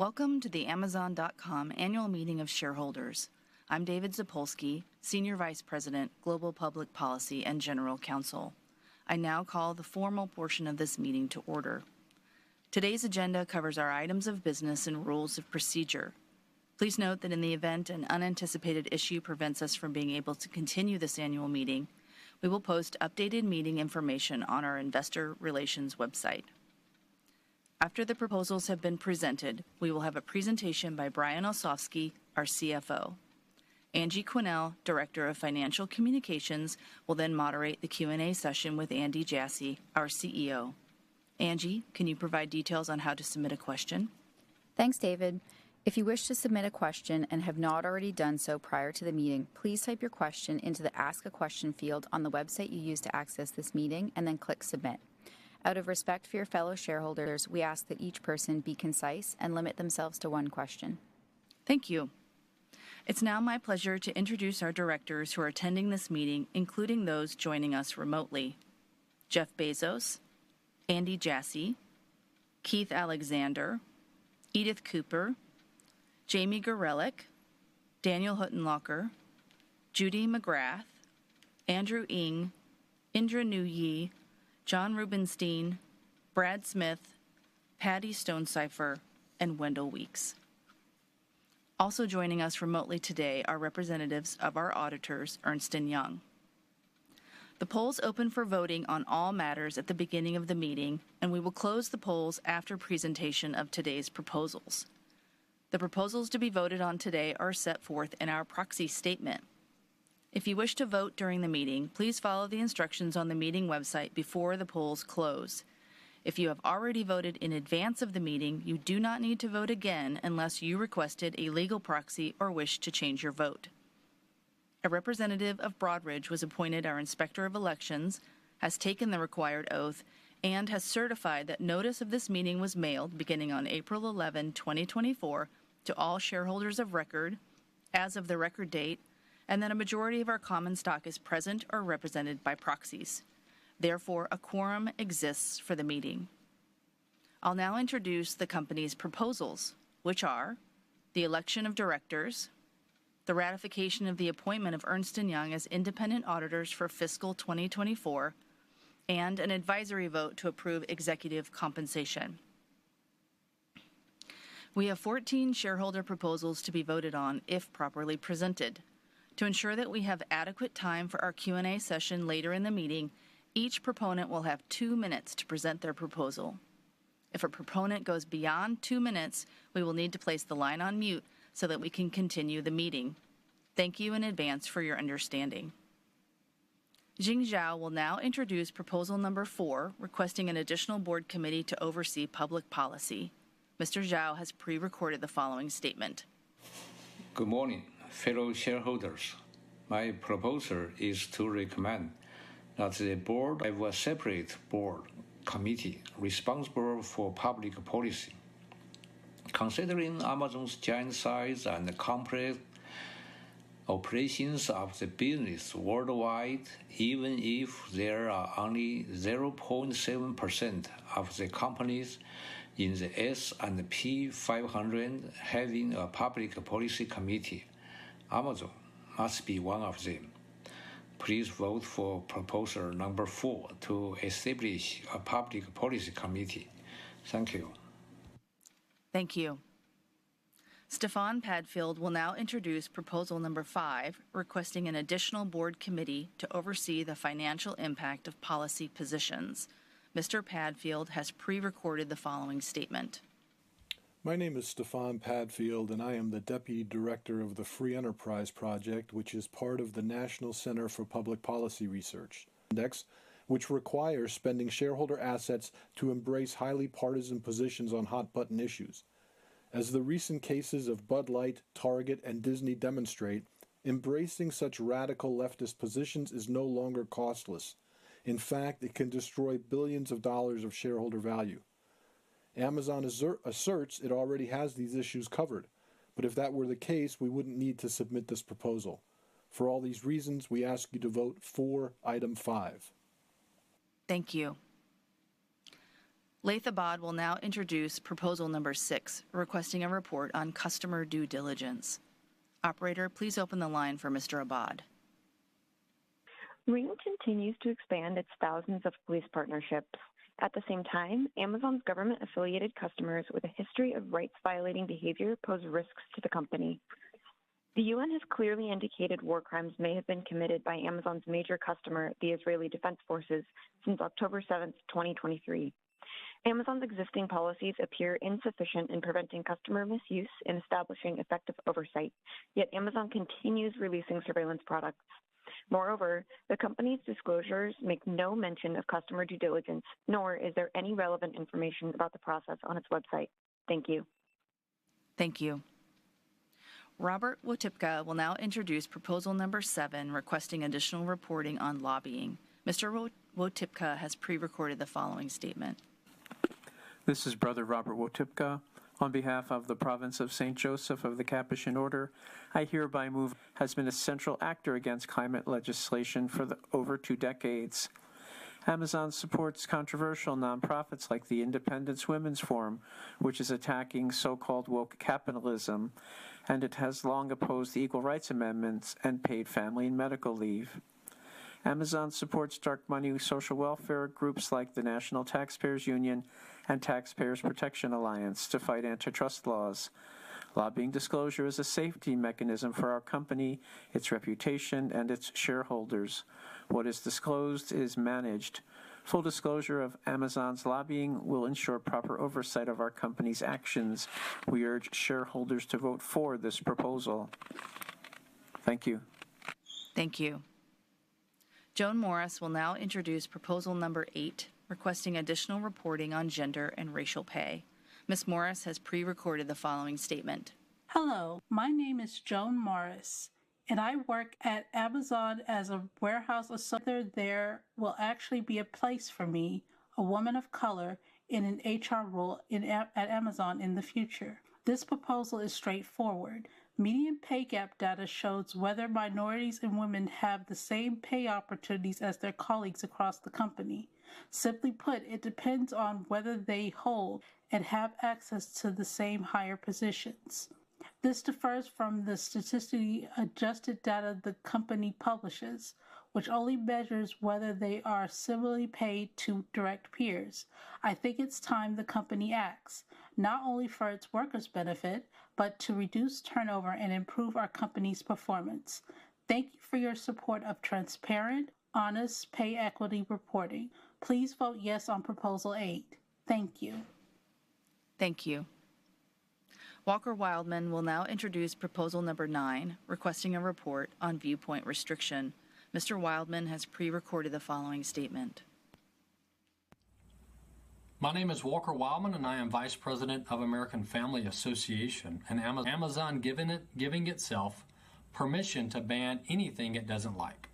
Welcome to the Amazon.com Annual Meeting of Shareholders. I'm David Zapolsky, Senior Vice President, Global Public Policy and General Counsel. I now call the formal portion of this meeting to order. Today's agenda covers our items of business and rules of procedure. Please note that in the event an unanticipated issue prevents us from being able to continue this annual meeting, we will post updated meeting information on our investor relations website. After the proposals have been presented, we will have a presentation by Brian Olsavsky, our CFO. Angie Quinnell, Director of Financial Communications, will then moderate the Q&A session with Andy Jassy, our CEO. Angie, can you provide details on how to submit a question? Thanks, David. If you wish to submit a question and have not already done so prior to the meeting, please type your question into the Ask a Question field on the website you used to access this meeting, and then click Submit. Out of respect for your fellow shareholders, we ask that each person be concise and limit themselves to one question. Thank you. It's now my pleasure to introduce our directors who are attending this meeting, including those joining us remotely: Jeff Bezos, Andy Jassy, Keith Alexander, Edith Cooper, Jamie Gorelick, Daniel Huttenlocher, Judy McGrath, Andrew Ng, Indra Nooyi, John Rubinstein, Brad Smith, Patty Stonesifer, and Wendell Weeks. Also joining us remotely today are representatives of our auditors, Ernst & Young. The polls opened for voting on all matters at the beginning of the meeting, and we will close the polls after presentation of today's proposals. The proposals to be voted on today are set forth in our proxy statement. If you wish to vote during the meeting, please follow the instructions on the meeting website before the polls close. If you have already voted in advance of the meeting, you do not need to vote again unless you requested a legal proxy or wish to change your vote. A representative of Broadridge was appointed our Inspector of Elections, has taken the required oath, and has certified that notice of this meeting was mailed beginning on April 11, 2024, to all shareholders of record as of the record date, and that a majority of our common stock is present or represented by proxies. Therefore, a quorum exists for the meeting. I'll now introduce the company's proposals, which are the election of directors, the ratification of the appointment of Ernst & Young as independent auditors for fiscal 2024, and an advisory vote to approve executive compensation. We have 14 shareholder proposals to be voted on if properly presented. To ensure that we have adequate time for our Q&A session later in the meeting, each proponent will have 2 minutes to present their proposal. If a proponent goes beyond two minutes, we will need to place the line on mute so that we can continue the meeting. Thank you in advance for your understanding. Jing Zhao will now introduce proposal number four, requesting an additional board committee to oversee public policy. Mr. Zhao has pre-recorded the following statement. Good morning, fellow shareholders. My proposal is to recommend that the board have a separate board committee responsible for public policy. Considering Amazon's giant size and the complex operations of the business worldwide, even if there are only 0.7% of the companies in the S&P 500 having a public policy committee, Amazon must be one of them. Please vote for proposal number 4 to establish a public policy committee. Thank you. Thank you. Stefan Padfield will now introduce proposal number 5, requesting an additional board committee to oversee the financial impact of policy positions. Mr. Padfield has pre-recorded the following statement. My name is Stefan Padfield, and I am the Deputy Director of the Free Enterprise Project, which is part of the National Center for Public Policy Research, which requires spending shareholder assets to embrace highly partisan positions on hot-button issues. As the recent cases of Bud Light, Target, and Disney demonstrate, embracing such radical leftist positions is no longer costless. In fact, it can destroy billions of dollars of shareholder value. Amazon asserts it already has these issues covered, but if that were the case, we wouldn't need to submit this proposal. For all these reasons, we ask you to vote for item five. Thank you. Laith Abad will now introduce proposal number 6, requesting a report on customer due diligence. Operator, please open the line for Mr. Abad. Ring continues to expand its thousands of police partnerships. At the same time, Amazon's government-affiliated customers with a history of rights-violating behavior pose risks to the company. The U.N. has clearly indicated war crimes may have been committed by Amazon's major customer, the Israeli Defense Forces, since October seventh, 2023. Amazon's existing policies appear insufficient in preventing customer misuse and establishing effective oversight, yet Amazon continues releasing surveillance products. Moreover, the company's disclosures make no mention of customer due diligence, nor is there any relevant information about the process on its website. Thank you. Thank you. Robert Wotipka will now introduce proposal number seven, requesting additional reporting on lobbying. Mr. Wotipka has pre-recorded the following statement.... This is Brother Robert Wotipka. On behalf of the Province of St. Joseph of the Capuchin Order, I hereby move--has been a central actor against climate legislation for over two decades. Amazon supports controversial nonprofits like the Independent Women's Forum, which is attacking so-called woke capitalism, and it has long opposed the Equal Rights Amendment and paid family and medical leave. Amazon supports dark money social welfare groups like the National Taxpayers Union and Taxpayers Protection Alliance to fight antitrust laws. Lobbying disclosure is a safety mechanism for our company, its reputation, and its shareholders. What is disclosed is managed. Full disclosure of Amazon's lobbying will ensure proper oversight of our company's actions. We urge shareholders to vote for this proposal. Thank you. Thank you. Joan Morris will now introduce proposal number eight, requesting additional reporting on gender and racial pay. Ms. Morris has pre-recorded the following statement. Hello, my name is Joan Morris, and I work at Amazon as a warehouse associate. There will actually be a place for me, a woman of color, in an HR role at Amazon in the future. This proposal is straightforward. Median pay gap data shows whether minorities and women have the same pay opportunities as their colleagues across the company. Simply put, it depends on whether they hold and have access to the same higher positions. This differs from the statistically adjusted data the company publishes, which only measures whether they are similarly paid to direct peers. I think it's time the company acts, not only for its workers' benefit, but to reduce turnover and improve our company's performance. Thank you for your support of transparent, honest, pay equity reporting. Please vote yes on proposal eight. Thank you. Thank you. Walker Wildman will now introduce proposal number 9, requesting a report on viewpoint restriction. Mr. Wildman has pre-recorded the following statement. My name is Walker Wildman, and I am Vice President of American Family Association, and Amazon giving itself permission to ban anything it doesn't like.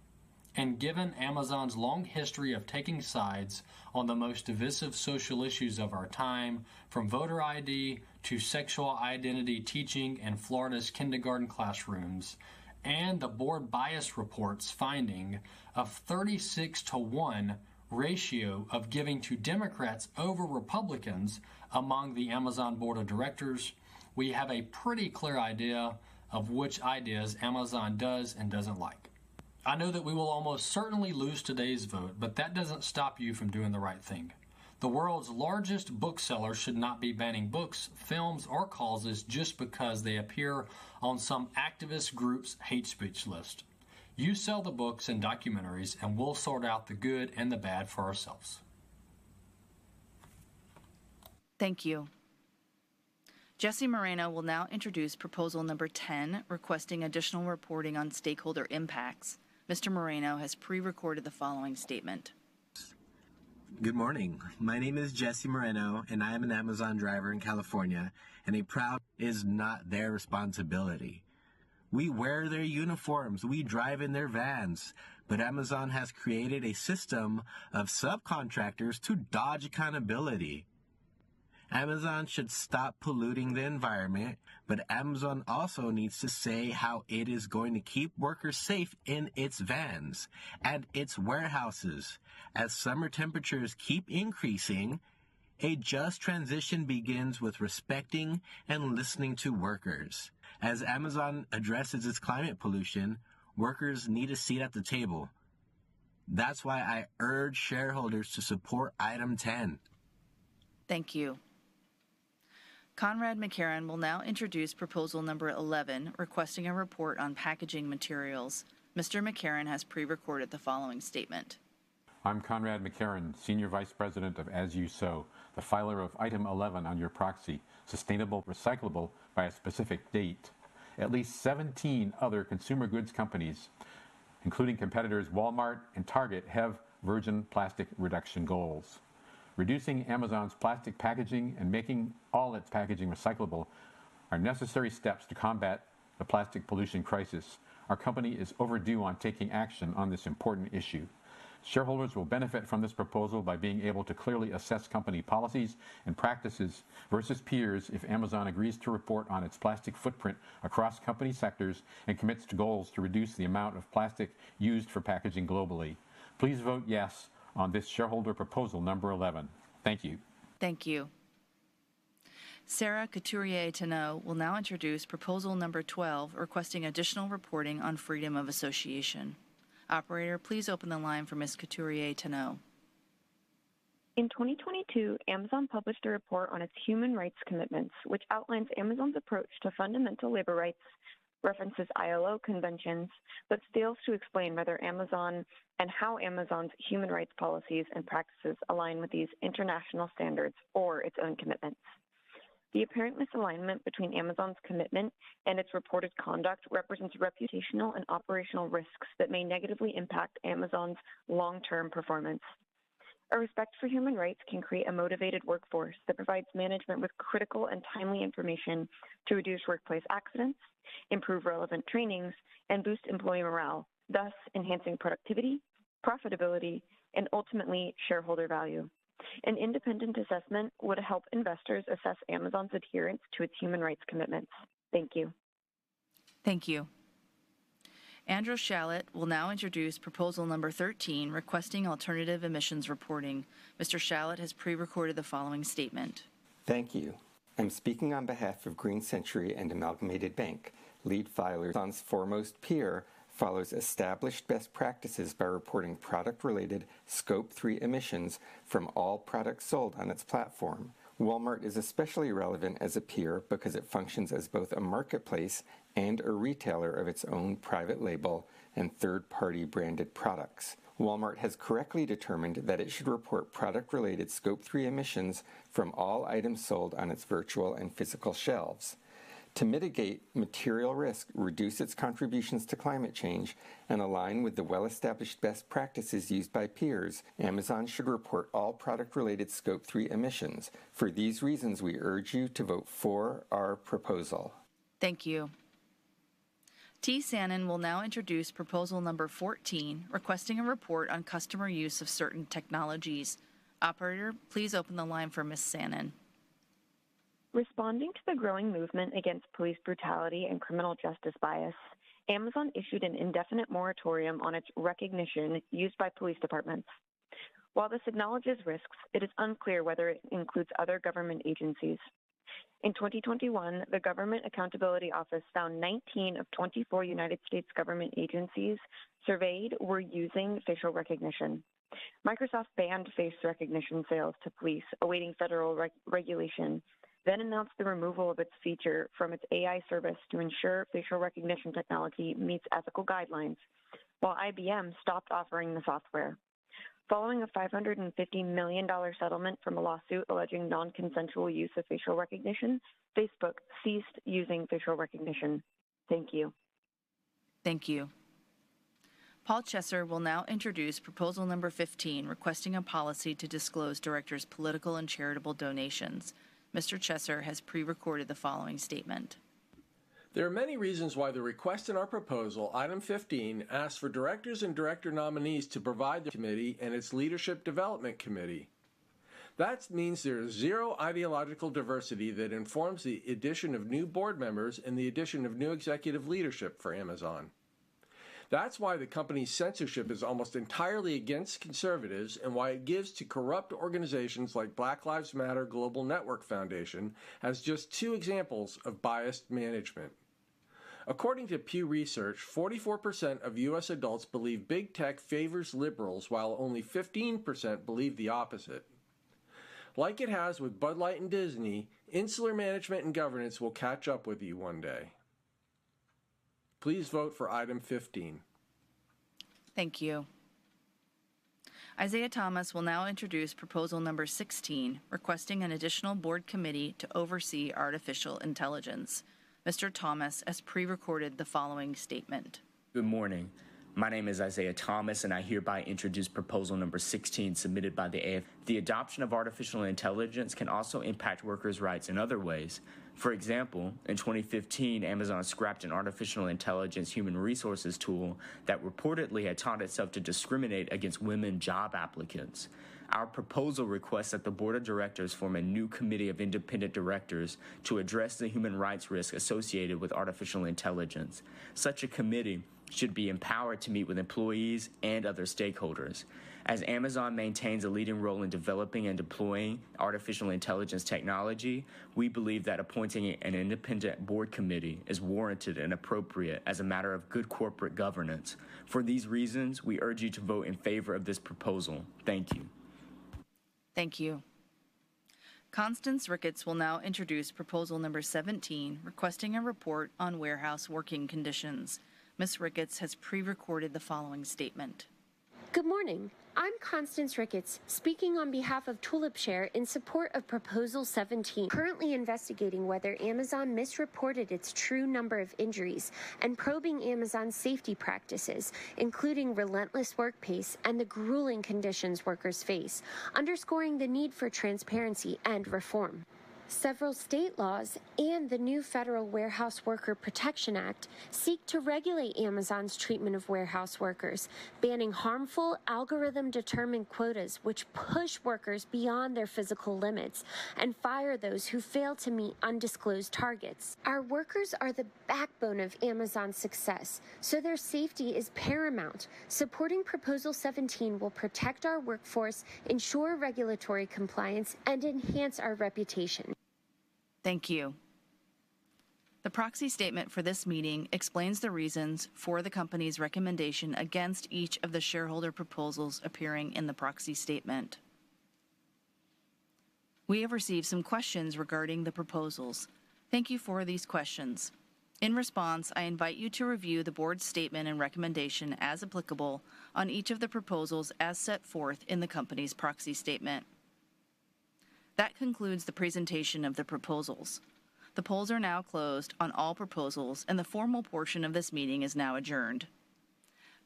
Given Amazon's long history of taking sides on the most divisive social issues of our time, from voter ID to sexual identity teaching in Florida's kindergarten classrooms, and the board bias report's finding a 36-to-1 ratio of giving to Democrats over Republicans among the Amazon board of directors, we have a pretty clear idea of which ideas Amazon does and doesn't like. I know that we will almost certainly lose today's vote, but that doesn't stop you from doing the right thing. The world's largest bookseller should not be banning books, films, or causes just because they appear on some activist group's hate speech list. You sell the books and documentaries, and we'll sort out the good and the bad for ourselves. Thank you. Jesse Moreno will now introduce proposal number 10, requesting additional reporting on stakeholder impacts. Mr. Moreno has pre-recorded the following statement. Good morning. My name is Jesse Moreno, and I am an Amazon driver in California. It's not their responsibility. We wear their uniforms, we drive in their vans, but Amazon has created a system of subcontractors to dodge accountability. Amazon should stop polluting the environment, but Amazon also needs to say how it is going to keep workers safe in its vans and its warehouses as summer temperatures keep increasing. A just transition begins with respecting and listening to workers. As Amazon addresses its climate pollution, workers need a seat at the table. That's why I urge shareholders to support item ten. Thank you. Conrad MacKerron will now introduce proposal number 11, requesting a report on packaging materials. Mr. MacKerron has pre-recorded the following statement. I'm Conrad MacKerron, Senior Vice President of As You Sow, the filer of item eleven on your proxy, Sustainable Recyclable by a specific date. At least 17 other consumer goods companies, including competitors Walmart and Target, have virgin plastic reduction goals. Reducing Amazon's plastic packaging and making all its packaging recyclable are necessary steps to combat the plastic pollution crisis. Our company is overdue on taking action on this important issue. Shareholders will benefit from this proposal by being able to clearly assess company policies and practices versus peers, if Amazon agrees to report on its plastic footprint across company sectors and commits to goals to reduce the amount of plastic used for packaging globally. Please vote yes on this shareholder proposal number 11. Thank you. Thank you. Sarah Couturier-Tanoh will now introduce proposal number 12, requesting additional reporting on freedom of association. Operator, please open the line for Ms. Couturier-Tanoh. In 2022, Amazon published a report on its human rights commitments, which outlines Amazon's approach to fundamental labor rights, references ILO conventions, but fails to explain whether Amazon and how Amazon's human rights policies and practices align with these international standards or its own commitments. The apparent misalignment between Amazon's commitment and its reported conduct represents reputational and operational risks that may negatively impact Amazon's long-term performance. A respect for human rights can create a motivated workforce that provides management with critical and timely information to reduce workplace accidents.... improve relevant trainings, and boost employee morale, thus enhancing productivity, profitability, and ultimately, shareholder value. An independent assessment would help investors assess Amazon's adherence to its human rights commitments. Thank you. Thank you. Andrew Shalit will now introduce proposal number 13, requesting alternative emissions reporting. Mr. Shalit has pre-recorded the following statement. Thank you. I'm speaking on behalf of Green Century and Amalgamated Bank. Lead filer's foremost peer follows established best practices by reporting product-related Scope 3 emissions from all products sold on its platform. Walmart is especially relevant as a peer because it functions as both a marketplace and a retailer of its own private label and third-party branded products. Walmart has correctly determined that it should report product-related Scope 3 emissions from all items sold on its virtual and physical shelves. To mitigate material risk, reduce its contributions to climate change, and align with the well-established best practices used by peers, Amazon should report all product-related Scope 3 emissions. For these reasons, we urge you to vote for our proposal. Thank you. Tejal Sambhu will now introduce proposal number 14, requesting a report on customer use of certain technologies. Operator, please open the line for Ms. Sannon. Responding to the growing movement against police brutality and criminal justice bias, Amazon issued an indefinite moratorium on its Rekognition used by police departments. While this acknowledges risks, it is unclear whether it includes other government agencies. In 2021, the Government Accountability Office found 19 of 24 U.S. government agencies surveyed were using facial recognition. Microsoft banned face recognition sales to police, awaiting federal regulation, then announced the removal of its feature from its AI service to ensure facial recognition technology meets ethical guidelines, while IBM stopped offering the software. Following a $550 million settlement from a lawsuit alleging non-consensual use of facial recognition, Facebook ceased using facial recognition. Thank you. Thank you. Paul Chesser will now introduce proposal number 15, requesting a policy to disclose directors' political and charitable donations. Mr. Chesser has pre-recorded the following statement. There are many reasons why the request in our proposal, item 15, asks for directors and director nominees to provide the committee and its Leadership Development Committee. That means there is zero ideological diversity that informs the addition of new board members and the addition of new executive leadership for Amazon. That's why the company's censorship is almost entirely against conservatives and why it gives to corrupt organizations like Black Lives Matter Global Network Foundation, as just two examples of biased management. According to Pew Research, 44% of U.S. adults believe Big Tech favors liberals, while only 15% believe the opposite. Like it has with Bud Light and Disney, insular management and governance will catch up with you one day. Please vote for item 15. Thank you. Isaiah Thomas will now introduce proposal number 16, requesting an additional board committee to oversee artificial intelligence. Mr. Thomas has pre-recorded the following statement. Good morning. My name is Isaiah Thomas, and I hereby introduce proposal number 16, submitted by the AFL-CIO. The adoption of artificial intelligence can also impact workers' rights in other ways. For example, in 2015, Amazon scrapped an artificial intelligence human resources tool that reportedly had taught itself to discriminate against women job applicants. Our proposal requests that the board of directors form a new committee of independent directors to address the human rights risk associated with artificial intelligence. Such a committee should be empowered to meet with employees and other stakeholders. As Amazon maintains a leading role in developing and deploying artificial intelligence technology, we believe that appointing an independent board committee is warranted and appropriate as a matter of good corporate governance. For these reasons, we urge you to vote in favor of this proposal. Thank you. Thank you. Constance Ricketts will now introduce proposal number 17, requesting a report on warehouse working conditions. Ms. Ricketts has pre-recorded the following statement. Good morning. I'm Constance Ricketts, speaking on behalf of Tulipshare in support of Proposal Seventeen, currently investigating whether Amazon misreported its true number of injuries and probing Amazon's safety practices, including relentless work pace and the grueling conditions workers face, underscoring the need for transparency and reform. Several state laws and the new federal Warehouse Worker Protection Act seek to regulate Amazon's treatment of warehouse workers, banning harmful algorithm-determined quotas which push workers beyond their physical limits and fire those who fail to meet undisclosed targets. Our workers are the backbone of Amazon's success, so their safety is paramount. Supporting Proposal Seventeen will protect our workforce, ensure regulatory compliance, and enhance our reputation. Thank you. The proxy statement for this meeting explains the reasons for the company's recommendation against each of the shareholder proposals appearing in the proxy statement. We have received some questions regarding the proposals. Thank you for these questions. In response, I invite you to review the board's statement and recommendation as applicable on each of the proposals as set forth in the company's proxy statement. That concludes the presentation of the proposals. The polls are now closed on all proposals, and the formal portion of this meeting is now adjourned.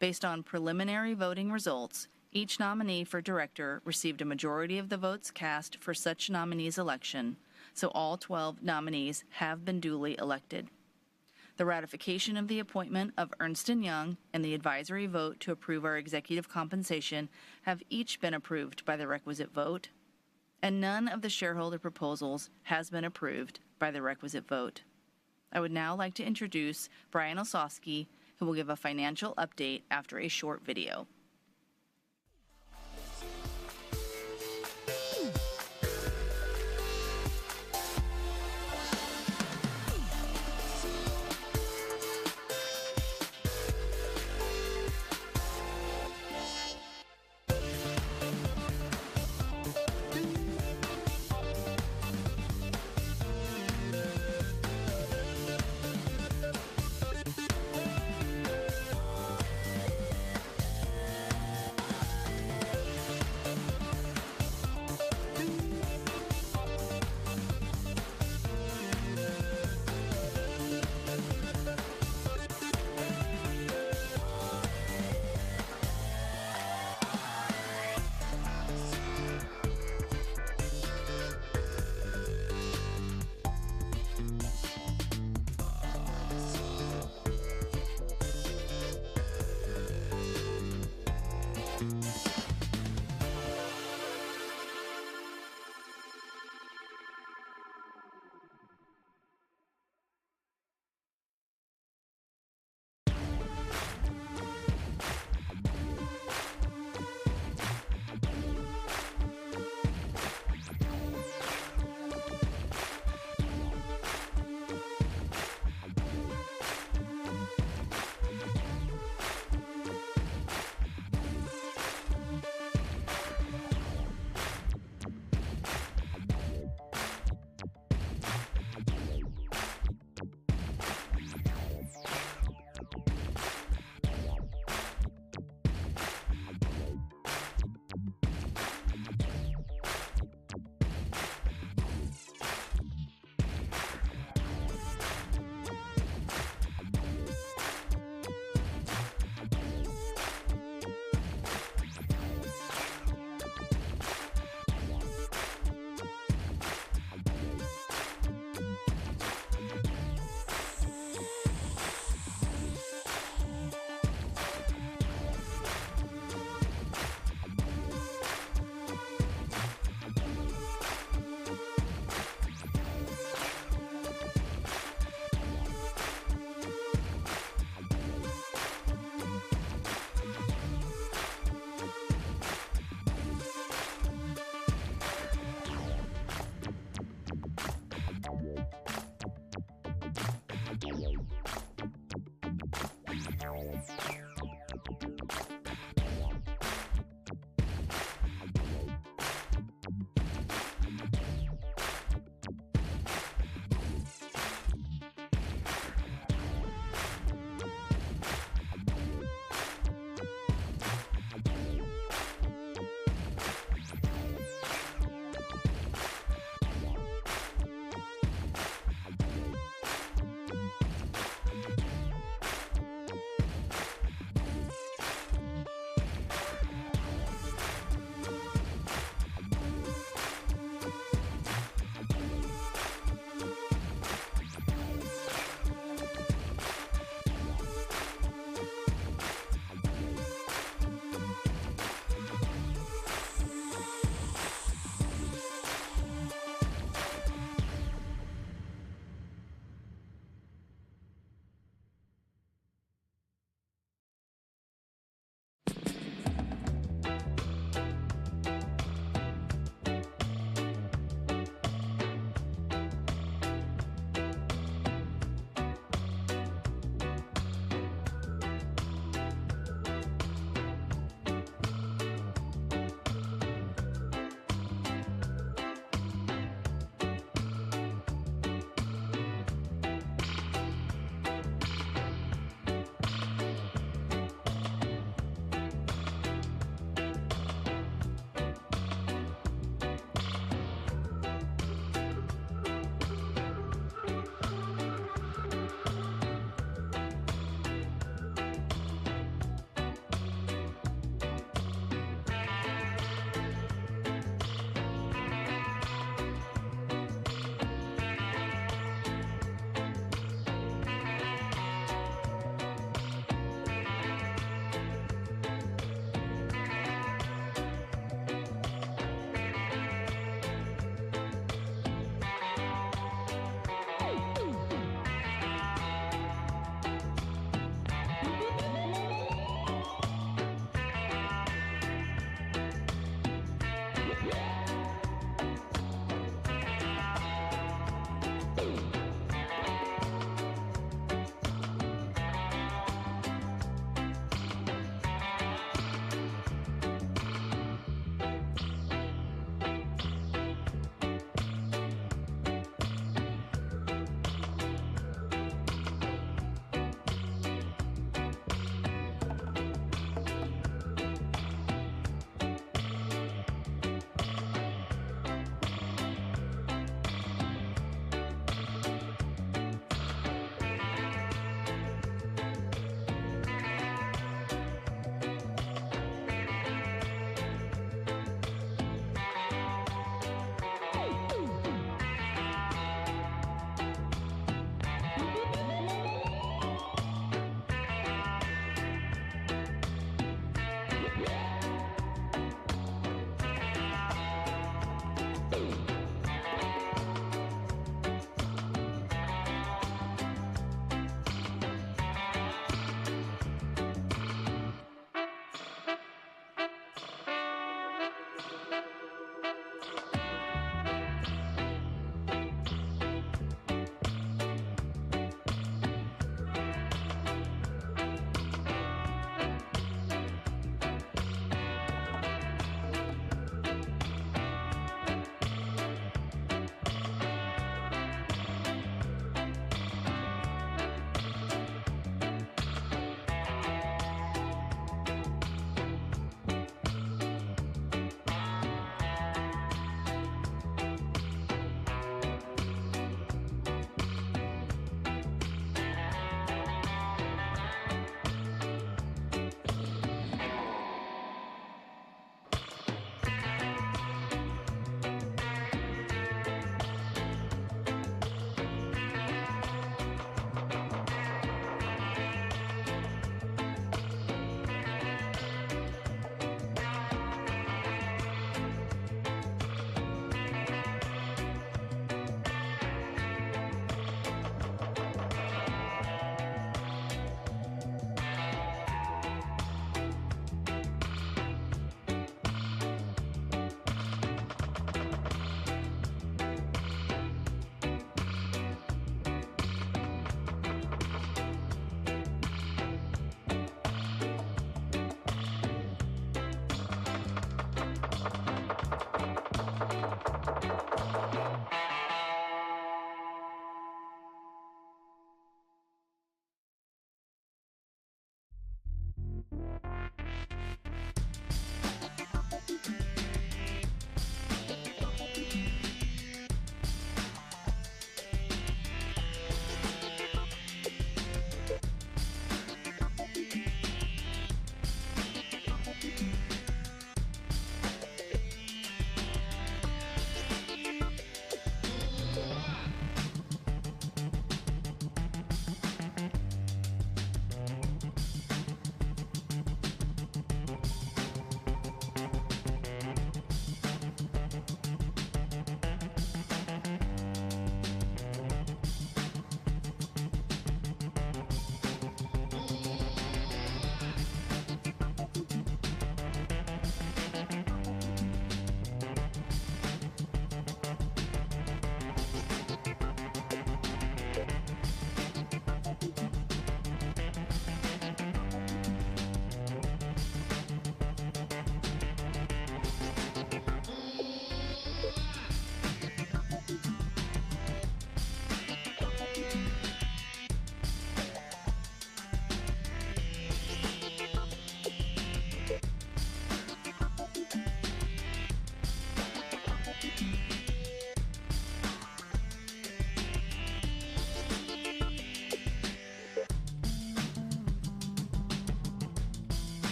Based on preliminary voting results, each nominee for director received a majority of the votes cast for such nominee's election, so all 12 nominees have been duly elected. The ratification of the appointment of Ernst & Young and the advisory vote to approve our executive compensation have each been approved by the requisite vote, and none of the shareholder proposals has been approved by the requisite vote. I would now like to introduce Brian Olsavsky, who will give a financial update after a short video.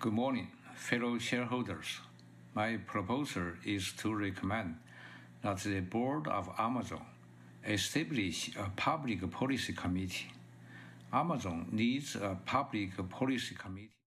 Good morning, fellow shareholders. My proposal is to recommend that the board of Amazon establish a public policy committee. Amazon needs a public policy committee...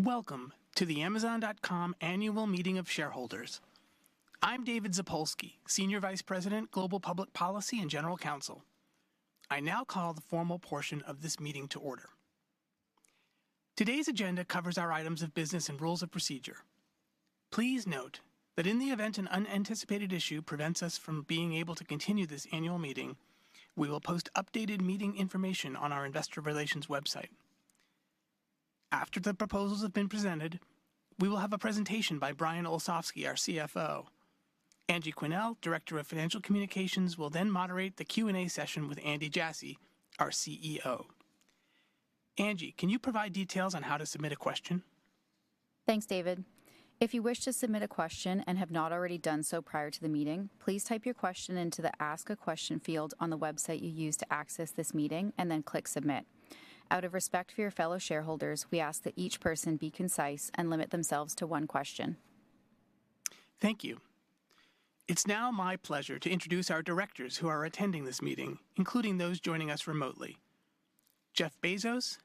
Welcome to the Amazon.com Annual Meeting of Shareholders. I'm David Zapolsky, Senior Vice President, Global Public Policy and General Counsel. I now call the formal portion of this meeting to order. Today's agenda covers our items of business and rules of procedure. Please note that in the event an unanticipated issue prevents us from being able to continue this annual meeting, we will post updated meeting information on our investor relations website. After the proposals have been presented, we will have a presentation by Brian Olsavsky, our CFO. Angie Quinnell, Director of Financial Communications, will then moderate the Q&A session with Andy Jassy, our CEO. Angie, can you provide details on how to submit a question? Thanks, David. If you wish to submit a question and have not already done so prior to the meeting, please type your question into the Ask a Question field on the website you used to access this meeting, and then click Submit. Out of respect for your fellow shareholders, we ask that each person be concise and limit themselves to one question. Thank you. It's now my pleasure to introduce our directors who are attending this meeting, including those joining us remotely: Jeff Bezos,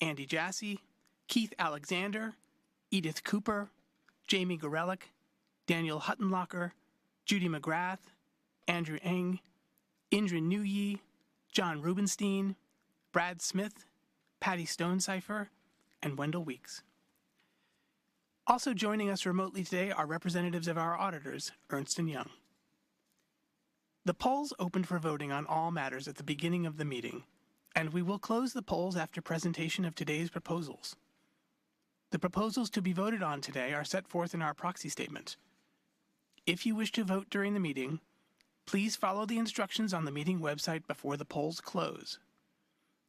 Andy Jassy, Keith Alexander, Edith Cooper, Jamie Gorelick, Daniel Huttenlocher, Judy McGrath, Andrew Ng, Indra Nooyi, John Rubinstein, Brad Smith, Patty Stonesifer, and Wendell Weeks. Also joining us remotely today are representatives of our auditors, Ernst & Young. The polls opened for voting on all matters at the beginning of the meeting, and we will close the polls after presentation of today's proposals. The proposals to be voted on today are set forth in our proxy statement. If you wish to vote during the meeting, please follow the instructions on the meeting website before the polls close.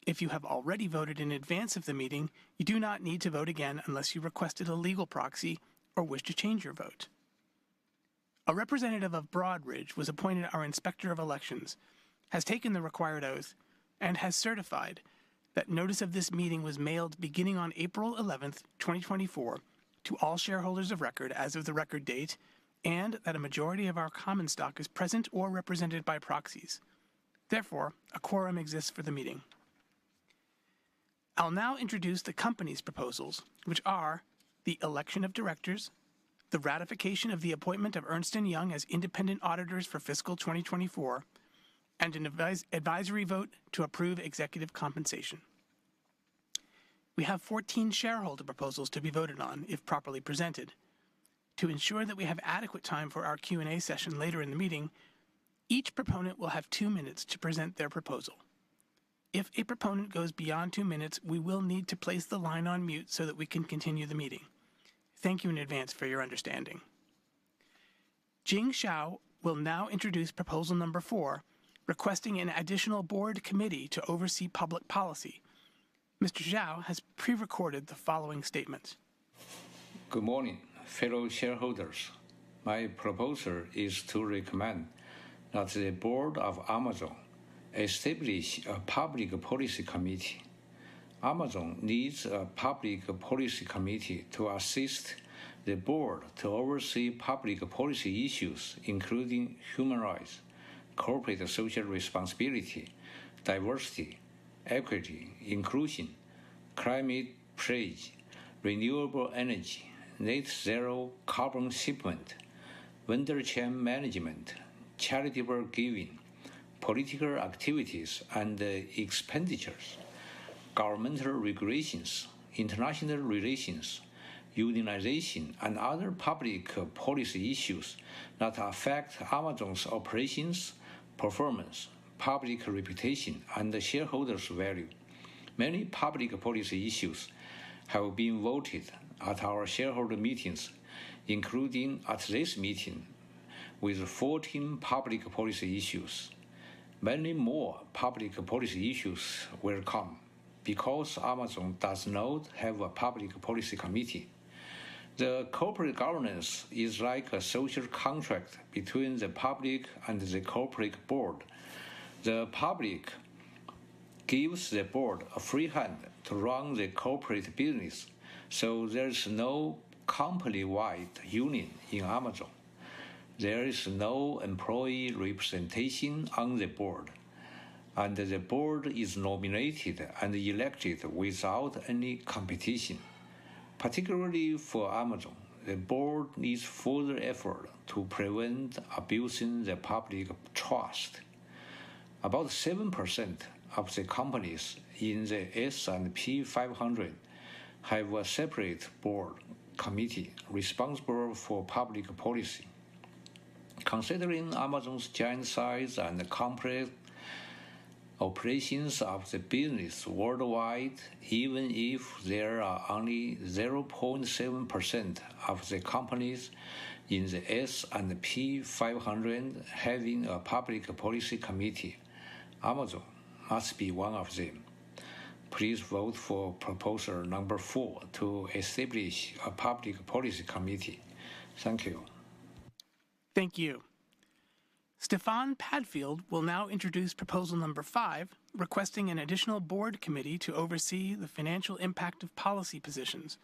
If you have already voted in advance of the meeting, you do not need to vote again unless you requested a legal proxy or wish to change your vote. A representative of Broadridge was appointed our Inspector of Elections, has taken the required oath, and has certified that notice of this meeting was mailed beginning on April 11th, 2024, to all shareholders of record as of the record date, and that a majority of our common stock is present or represented by proxies. Therefore, a quorum exists for the meeting. I'll now introduce the company's proposals, which are the election of directors, the ratification of the appointment of Ernst & Young as independent auditors for fiscal 2024, and an advisory vote to approve executive compensation. We have 14 shareholder proposals to be voted on if properly presented. To ensure that we have adequate time for our Q&A session later in the meeting, each proponent will have 2 minutes to present their proposal. If a proponent goes beyond two minutes, we will need to place the line on mute so that we can continue the meeting. Thank you in advance for your understanding. Jing Zhao will now introduce proposal number four, requesting an additional board committee to oversee public policy. Mr. Zhao has pre-recorded the following statement. Good morning, fellow shareholders. My proposal is to recommend that the board of Amazon establish a public policy committee. Amazon needs a public policy committee to assist the board to oversee public policy issues, including human rights, corporate social responsibility, diversity, equity, inclusion, The Climate Pledge, renewable energy, net zero carbon shipment, vendor chain management, charitable giving, political activities and expenditures, governmental regulations, international relations, unionization, and other public policy issues that affect Amazon's operations, performance, public reputation, and the shareholders' value. Many public policy issues have been voted at our shareholder meetings, including at this meeting with 14 public policy issues. Many more public policy issues will come because Amazon does not have a public policy committee. The corporate governance is like a social contract between the public and the corporate board. The public gives the board a free hand to run the corporate business, so there is no company-wide union in Amazon. There is no employee representation on the board, and the board is nominated and elected without any competition. Particularly for Amazon, the board needs further effort to prevent abusing the public trust. About 7% of the companies in the S&P 500 have a separate board committee responsible for public policy. Considering Amazon's giant size and the complex operations of the business worldwide, even if there are only 0.7% of the companies in the S&P 500 having a public policy committee, Amazon must be one of them. Please vote for proposal number 4 to establish a public policy committee. Thank you. Thank you. Stefan Padfield will now introduce proposal number five, requesting an additional board committee to oversee the financial impact of policy positions.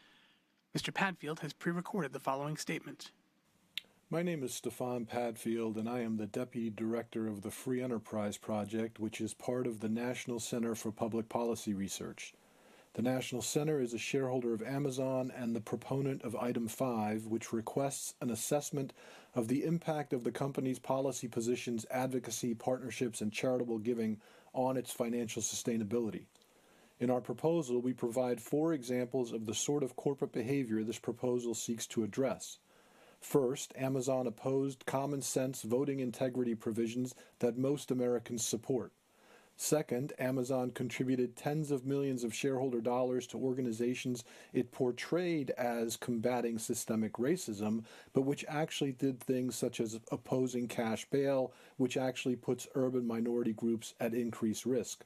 Mr. Padfield has pre-recorded the following statement. My name is Stefan Padfield, and I am the deputy director of the Free Enterprise Project, which is part of the National Center for Public Policy Research. The National Center is a shareholder of Amazon and the proponent of item five, which requests an assessment of the impact of the company's policy positions, advocacy, partnerships, and charitable giving on its financial sustainability. In our proposal, we provide four examples of the sort of corporate behavior this proposal seeks to address. First, Amazon opposed common sense voting integrity provisions that most Americans support. Second, Amazon contributed tens of millions of shareholder dollars to organizations it portrayed as combating systemic racism, but which actually did things such as opposing cash bail, which actually puts urban minority groups at increased risk.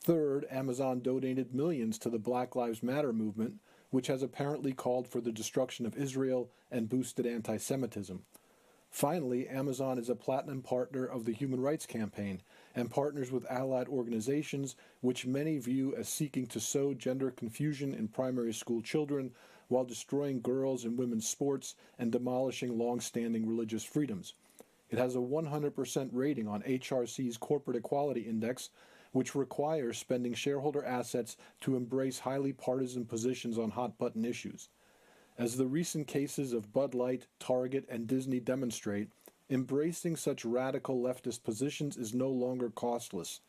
Third, Amazon donated millions to the Black Lives Matter movement, which has apparently called for the destruction of Israel and boosted antisemitism. Finally, Amazon is a platinum partner of the Human Rights Campaign and partners with allied organizations, which many view as seeking to sow gender confusion in primary school children while destroying girls' and women's sports and demolishing long-standing religious freedoms. It has a 100% rating on HRC's Corporate Equality Index, which requires spending shareholder assets to embrace highly partisan positions on hot-button issues. As the recent cases of Bud Light, Target, and Disney demonstrate, embracing such radical leftist positions is no longer costless.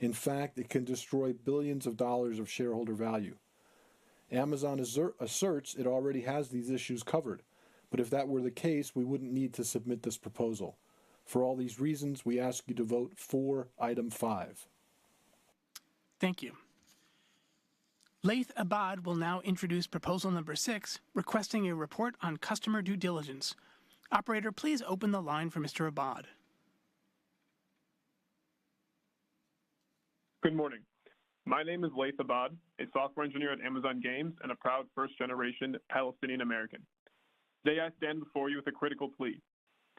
In fact, it can destroy $ billions of shareholder value. Amazon asserts it already has these issues covered, but if that were the case, we wouldn't need to submit this proposal. For all these reasons, we ask you to vote for item five. Thank you. Laith Abad will now introduce proposal number 6, requesting a report on customer due diligence. Operator, please open the line for Mr. Abad. Good morning. My name is Laith Abad, a software engineer at Amazon Games and a proud first-generation Palestinian American. Today, I stand before you with a critical plea: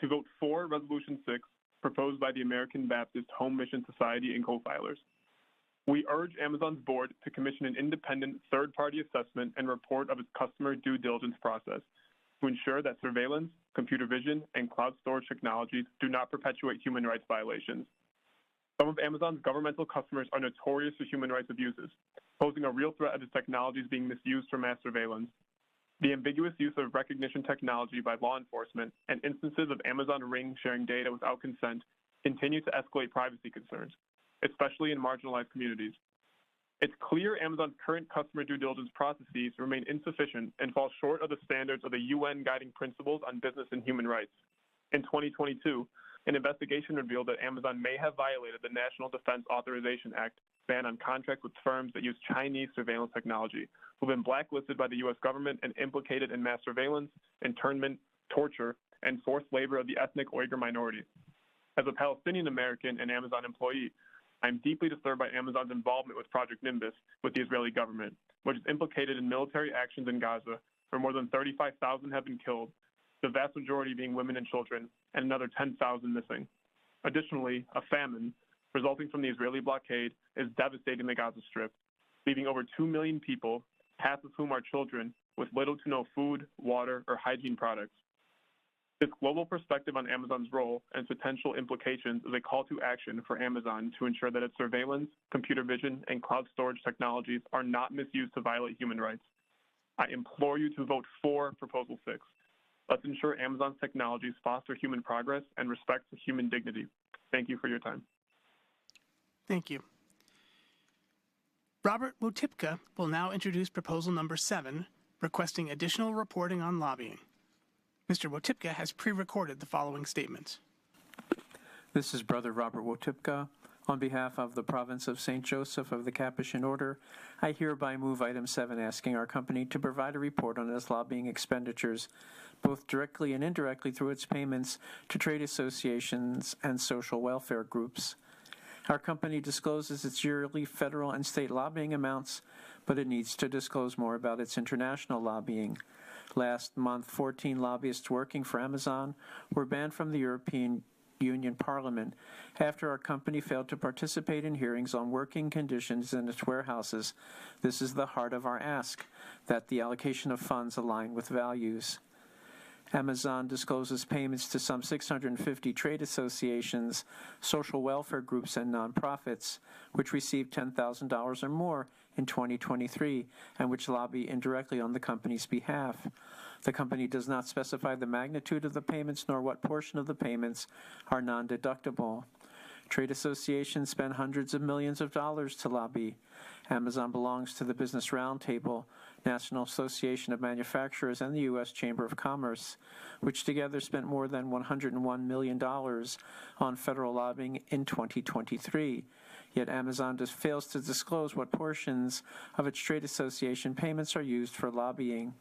to vote for Resolution Six, proposed by the American Baptist Home Mission Society and co-filers. We urge Amazon's board to commission an independent third-party assessment and report of its customer due diligence process to ensure that surveillance, computer vision, and cloud storage technologies do not perpetuate human rights violations. Some of Amazon's governmental customers are notorious for human rights abuses, posing a real threat of the technologies being misused for mass surveillance. The ambiguous use of recognition technology by law enforcement and instances of Amazon Ring sharing data without consent continue to escalate privacy concerns, especially in marginalized communities. It's clear Amazon's current customer due diligence processes remain insufficient and fall short of the standards of the UN Guiding Principles on Business and Human Rights. In 2022, an investigation revealed that Amazon may have violated the National Defense Authorization Act ban on contracts with firms that use Chinese surveillance technology, who have been blacklisted by the U.S. government and implicated in mass surveillance, internment, torture, and forced labor of the ethnic Uyghur minority. As a Palestinian American and Amazon employee, I am deeply disturbed by Amazon's involvement with Project Nimbus with the Israeli government, which is implicated in military actions in Gaza, where more than 35,000 have been killed, the vast majority being women and children, and another 10,000 missing. Additionally, a famine resulting from the Israeli blockade is devastating the Gaza Strip, leaving over 2 million people, half of whom are children, with little to no food, water, or hygiene products. This global perspective on Amazon's role and potential implications is a call to action for Amazon to ensure that its surveillance, computer vision, and cloud storage technologies are not misused to violate human rights. I implore you to vote for Proposal Six. Let's ensure Amazon's technologies foster human progress and respect for human dignity. Thank you for your time. Thank you. Robert Wotipka will now introduce proposal number 7, requesting additional reporting on lobbying. Mr. Wotipka has pre-recorded the following statement. This is Brother Robert Wotipka. On behalf of the Province of St. Joseph of the Capuchin Order, I hereby move item 7, asking our company to provide a report on its lobbying expenditures, both directly and indirectly, through its payments to trade associations and social welfare groups. Our company discloses its yearly federal and state lobbying amounts, but it needs to disclose more about its international lobbying. Last month, 14 lobbyists working for Amazon were banned from the European Union Parliament after our company failed to participate in hearings on working conditions in its warehouses. This is the heart of our ask, that the allocation of funds align with values. Amazon discloses payments to some 650 trade associations, social welfare groups, and nonprofits, which received $10,000 or more in 2023 and which lobby indirectly on the company's behalf. The company does not specify the magnitude of the payments, nor what portion of the payments are non-deductible. Trade associations spend hundreds of millions of dollars to lobby. Amazon belongs to the Business Roundtable, National Association of Manufacturers, and the U.S. Chamber of Commerce, which together spent more than $101 million on federal lobbying in 2023. Yet Amazon just fails to disclose what portions of its trade association payments are used for lobbying.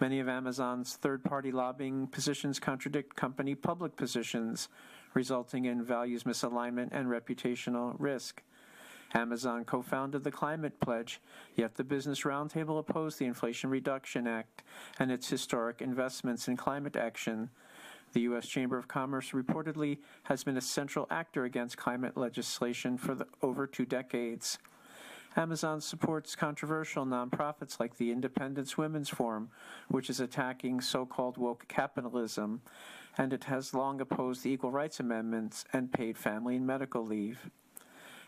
Many of Amazon's third-party lobbying positions contradict company public positions, resulting in values misalignment and reputational risk. Amazon co-founded The Climate Pledge, yet the Business Roundtable opposed the Inflation Reduction Act and its historic investments in climate action. The U.S. Chamber of Commerce reportedly has been a central actor against climate legislation for over two decades. Amazon supports controversial nonprofits like the Independent Women's Forum, which is attacking so-called woke capitalism, and it has long opposed the Equal Rights Amendment and paid family and medical leave.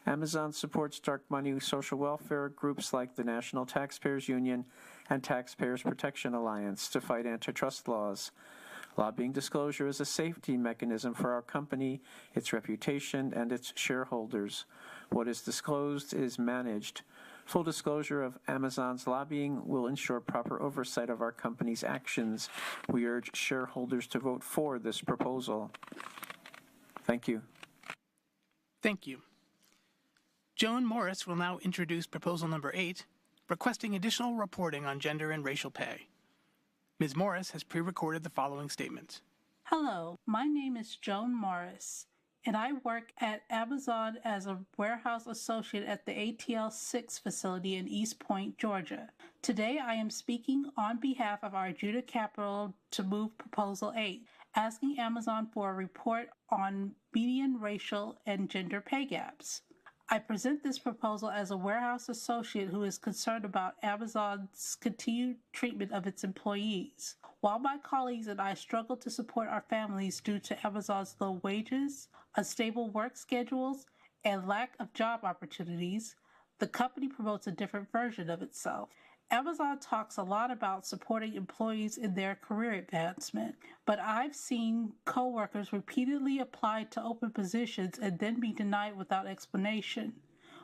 Amazon supports dark money social welfare groups like the National Taxpayers Union and Taxpayers Protection Alliance to fight antitrust laws. Lobbying disclosure is a safety mechanism for our company, its reputation, and its shareholders. What is disclosed is managed. Full disclosure of Amazon's lobbying will ensure proper oversight of our company's actions. We urge shareholders to vote for this proposal. Thank you. Thank you. Joan Morris will now introduce proposal number eight, requesting additional reporting on gender and racial pay. Ms. Morris has pre-recorded the following statement. Hello, my name is Joan Morris, and I work at Amazon as a warehouse associate at the ATL6 facility in East Point, Georgia. Today, I am speaking on behalf of Arjuna Capital to move proposal eight, asking Amazon for a report on median racial and gender pay gaps. I present this proposal as a warehouse associate who is concerned about Amazon's continued treatment of its employees. While my colleagues and I struggle to support our families due to Amazon's low wages, unstable work schedules, and lack of job opportunities, the company promotes a different version of itself. Amazon talks a lot about supporting employees in their career advancement, but I've seen coworkers repeatedly apply to open positions and then be denied without explanation.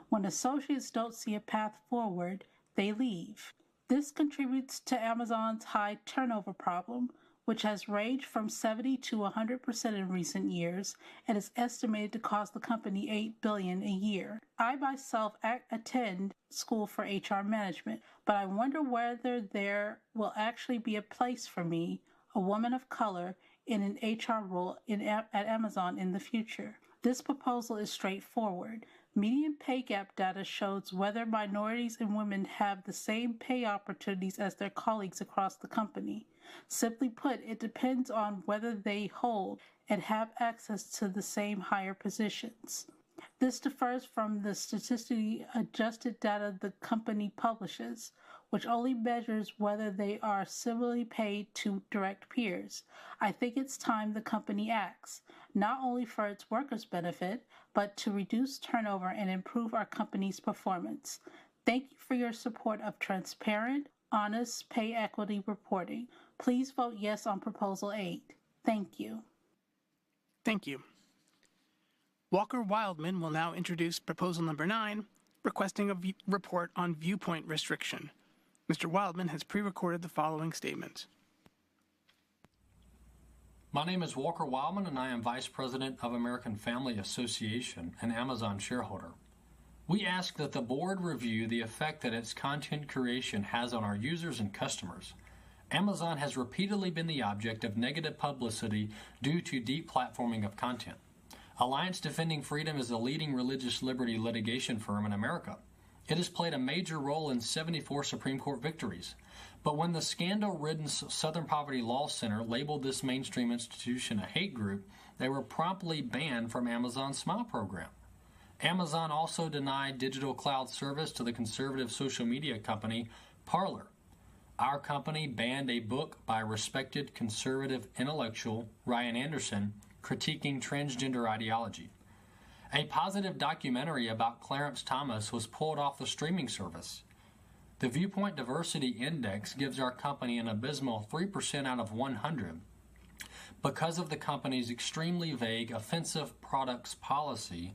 When associates don't see a path forward, they leave. This contributes to Amazon's high turnover problem, which has ranged from 70%-100% in recent years and is estimated to cost the company $8 billion a year. I myself attend school for HR management, but I wonder whether there will actually be a place for me, a woman of color, in an HR role at Amazon in the future. This proposal is straightforward. Median pay gap data shows whether minorities and women have the same pay opportunities as their colleagues across the company. Simply put, it depends on whether they hold and have access to the same higher positions. This differs from the statistically adjusted data the company publishes, which only measures whether they are similarly paid to direct peers. I think it's time the company acts, not only for its workers' benefit, but to reduce turnover and improve our company's performance. Thank you for your support of transparent, honest, pay equity reporting. Please vote yes on proposal eight. Thank you. Thank you. Walker Wildman will now introduce proposal number nine, requesting a report on viewpoint restriction. Mr. Wildman has pre-recorded the following statement. My name is Walker Wildman, and I am Vice President of American Family Association, an Amazon shareholder. We ask that the board review the effect that its content creation has on our users and customers. Amazon has repeatedly been the object of negative publicity due to deplatforming of content. Alliance Defending Freedom is the leading religious liberty litigation firm in America. It has played a major role in 74 Supreme Court victories. But when the scandal-ridden Southern Poverty Law Center labeled this mainstream institution a hate group, they were promptly banned from Amazon's Smile program. Amazon also denied digital cloud service to the conservative social media company, Parler. Our company banned a book by respected conservative intellectual, Ryan Anderson, critiquing transgender ideology. A positive documentary about Clarence Thomas was pulled off the streaming service. The Viewpoint Diversity Index gives our company an abysmal 3% out of 100 because of the company's extremely vague, offensive products policy,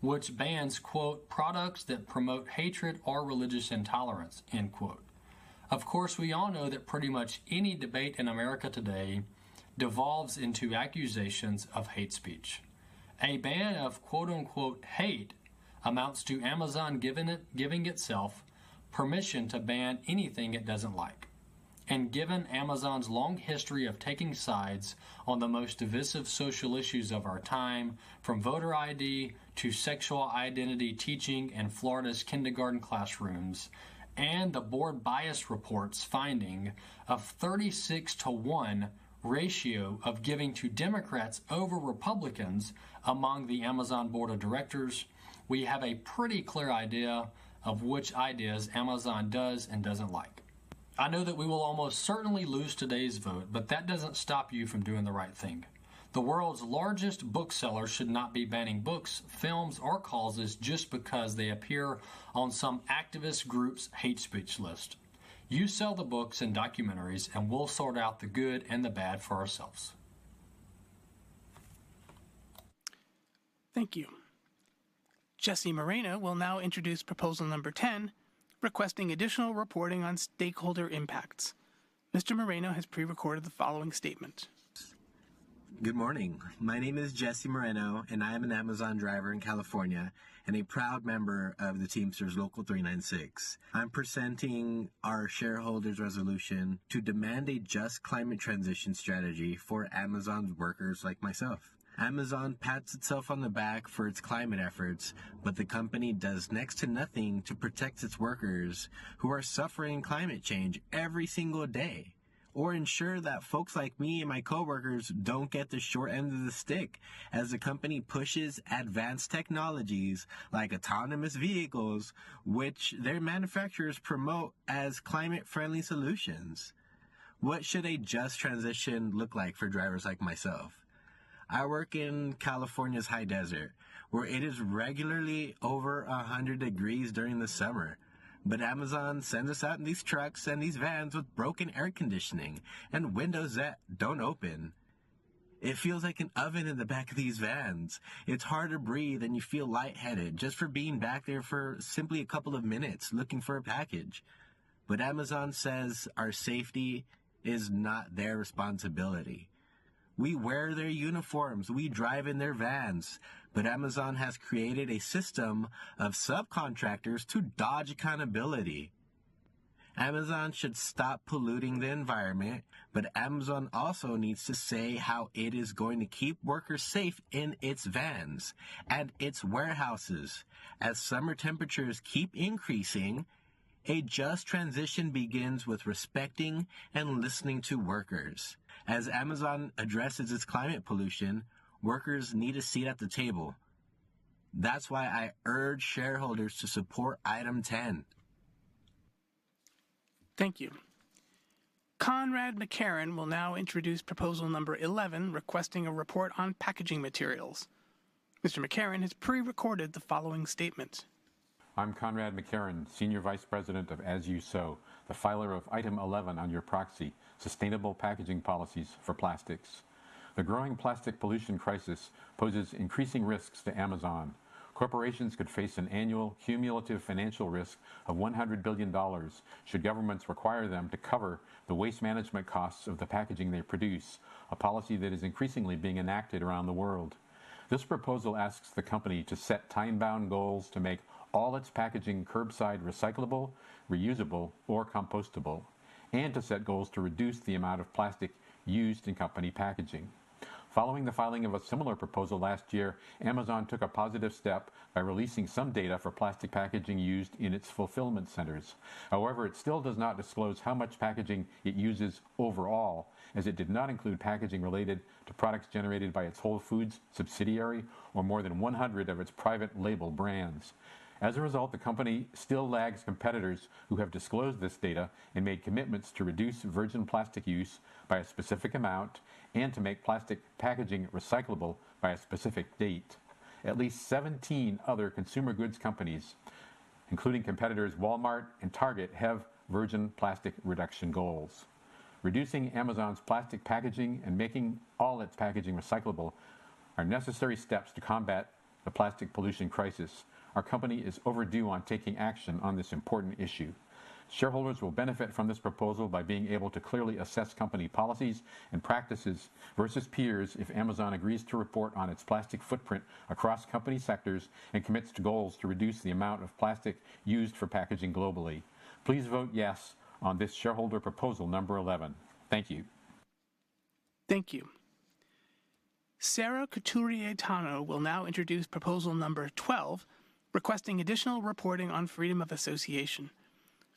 which bans, quote, "products that promote hatred or religious intolerance," end quote. Of course, we all know that pretty much any debate in America today devolves into accusations of hate speech. A ban of, quote, unquote, "hate," amounts to Amazon giving itself permission to ban anything it doesn't like. And given Amazon's long history of taking sides on the most divisive social issues of our time, from voter ID to sexual identity teaching in Florida's kindergarten classrooms, and the board bias report's finding a 36-to-1 ratio of giving to Democrats over Republicans among the Amazon board of directors, we have a pretty clear idea of which ideas Amazon does and doesn't like. I know that we will almost certainly lose today's vote, but that doesn't stop you from doing the right thing. The world's largest bookseller should not be banning books, films, or causes just because they appear on some activist group's hate speech list. You sell the books and documentaries, and we'll sort out the good and the bad for ourselves. Thank you. Jesse Moreno will now introduce proposal number 10, requesting additional reporting on stakeholder impacts. Mr. Moreno has pre-recorded the following statement. Good morning. My name is Jesse Moreno, and I am an Amazon driver in California and a proud member of the Teamsters Local 396. I'm presenting our shareholders resolution to demand a just climate transition strategy for Amazon's workers like myself.... Amazon pats itself on the back for its climate efforts, but the company does next to nothing to protect its workers who are suffering climate change every single day, or ensure that folks like me and my coworkers don't get the short end of the stick as the company pushes advanced technologies like autonomous vehicles, which their manufacturers promote as climate-friendly solutions. What should a just transition look like for drivers like myself? I work in California's high desert, where it is regularly over 100 degrees during the summer, but Amazon sends us out in these trucks and these vans with broken air conditioning and windows that don't open. It feels like an oven in the back of these vans. It's hard to breathe, and you feel lightheaded just for being back there for simply a couple of minutes, looking for a package. But Amazon says our safety is not their responsibility. We wear their uniforms, we drive in their vans, but Amazon has created a system of subcontractors to dodge accountability. Amazon should stop polluting the environment, but Amazon also needs to say how it is going to keep workers safe in its vans and its warehouses as summer temperatures keep increasing. A just transition begins with respecting and listening to workers. As Amazon addresses its climate pollution, workers need a seat at the table. That's why I urge shareholders to support item ten. Thank you. Conrad MacKerron will now introduce proposal number 11, requesting a report on packaging materials. Mr. MacKerron has pre-recorded the following statement. I'm Conrad MacKerron, Senior Vice President of As You Sow, the filer of item 11 on your proxy, Sustainable Packaging Policies for Plastics. The growing plastic pollution crisis poses increasing risks to Amazon. Corporations could face an annual cumulative financial risk of $100 billion should governments require them to cover the waste management costs of the packaging they produce, a policy that is increasingly being enacted around the world. This proposal asks the company to set time-bound goals to make all its packaging curbside recyclable, reusable, or compostable, and to set goals to reduce the amount of plastic used in company packaging. Following the filing of a similar proposal last year, Amazon took a positive step by releasing some data for plastic packaging used in its fulfillment centers. However, it still does not disclose how much packaging it uses overall, as it did not include packaging related to products generated by its Whole Foods subsidiary or more than 100 of its private label brands. As a result, the company still lags competitors who have disclosed this data and made commitments to reduce virgin plastic use by a specific amount and to make plastic packaging recyclable by a specific date. At least 17 other consumer goods companies, including competitors Walmart and Target, have virgin plastic reduction goals. Reducing Amazon's plastic packaging and making all its packaging recyclable are necessary steps to combat the plastic pollution crisis. Our company is overdue on taking action on this important issue. Shareholders will benefit from this proposal by being able to clearly assess company policies and practices versus peers if Amazon agrees to report on its plastic footprint across company sectors and commits to goals to reduce the amount of plastic used for packaging globally. Please vote yes on this shareholder proposal number eleven. Thank you. Thank you. Sarah Couturier-Tanoh will now introduce proposal number 12, requesting additional reporting on freedom of association.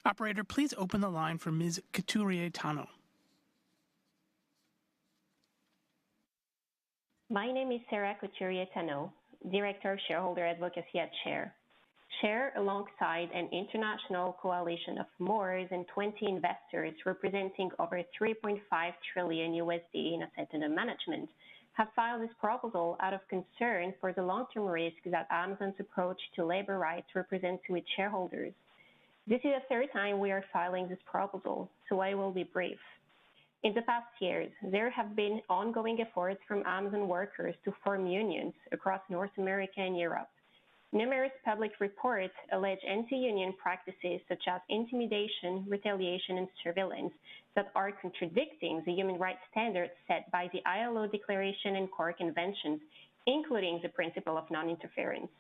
Operator, please open the line for Ms. Couturier-Tanoh. My name is Sarah Couturier-Tanoh, Director of Shareholder Advocacy at SHARE. SHARE, alongside an international coalition of more than 20 investors, representing over $3.5 trillion in assets under management, have filed this proposal out of concern for the long-term risk that Amazon's approach to labor rights represents to its shareholders. This is the third time we are filing this proposal, so I will be brief. In the past years, there have been ongoing efforts from Amazon workers to form unions across North America and Europe. Numerous public reports allege anti-union practices such as intimidation, retaliation, and surveillance that are contradicting the human rights standards set by the ILO declaration and core conventions, including the principle of non-interference.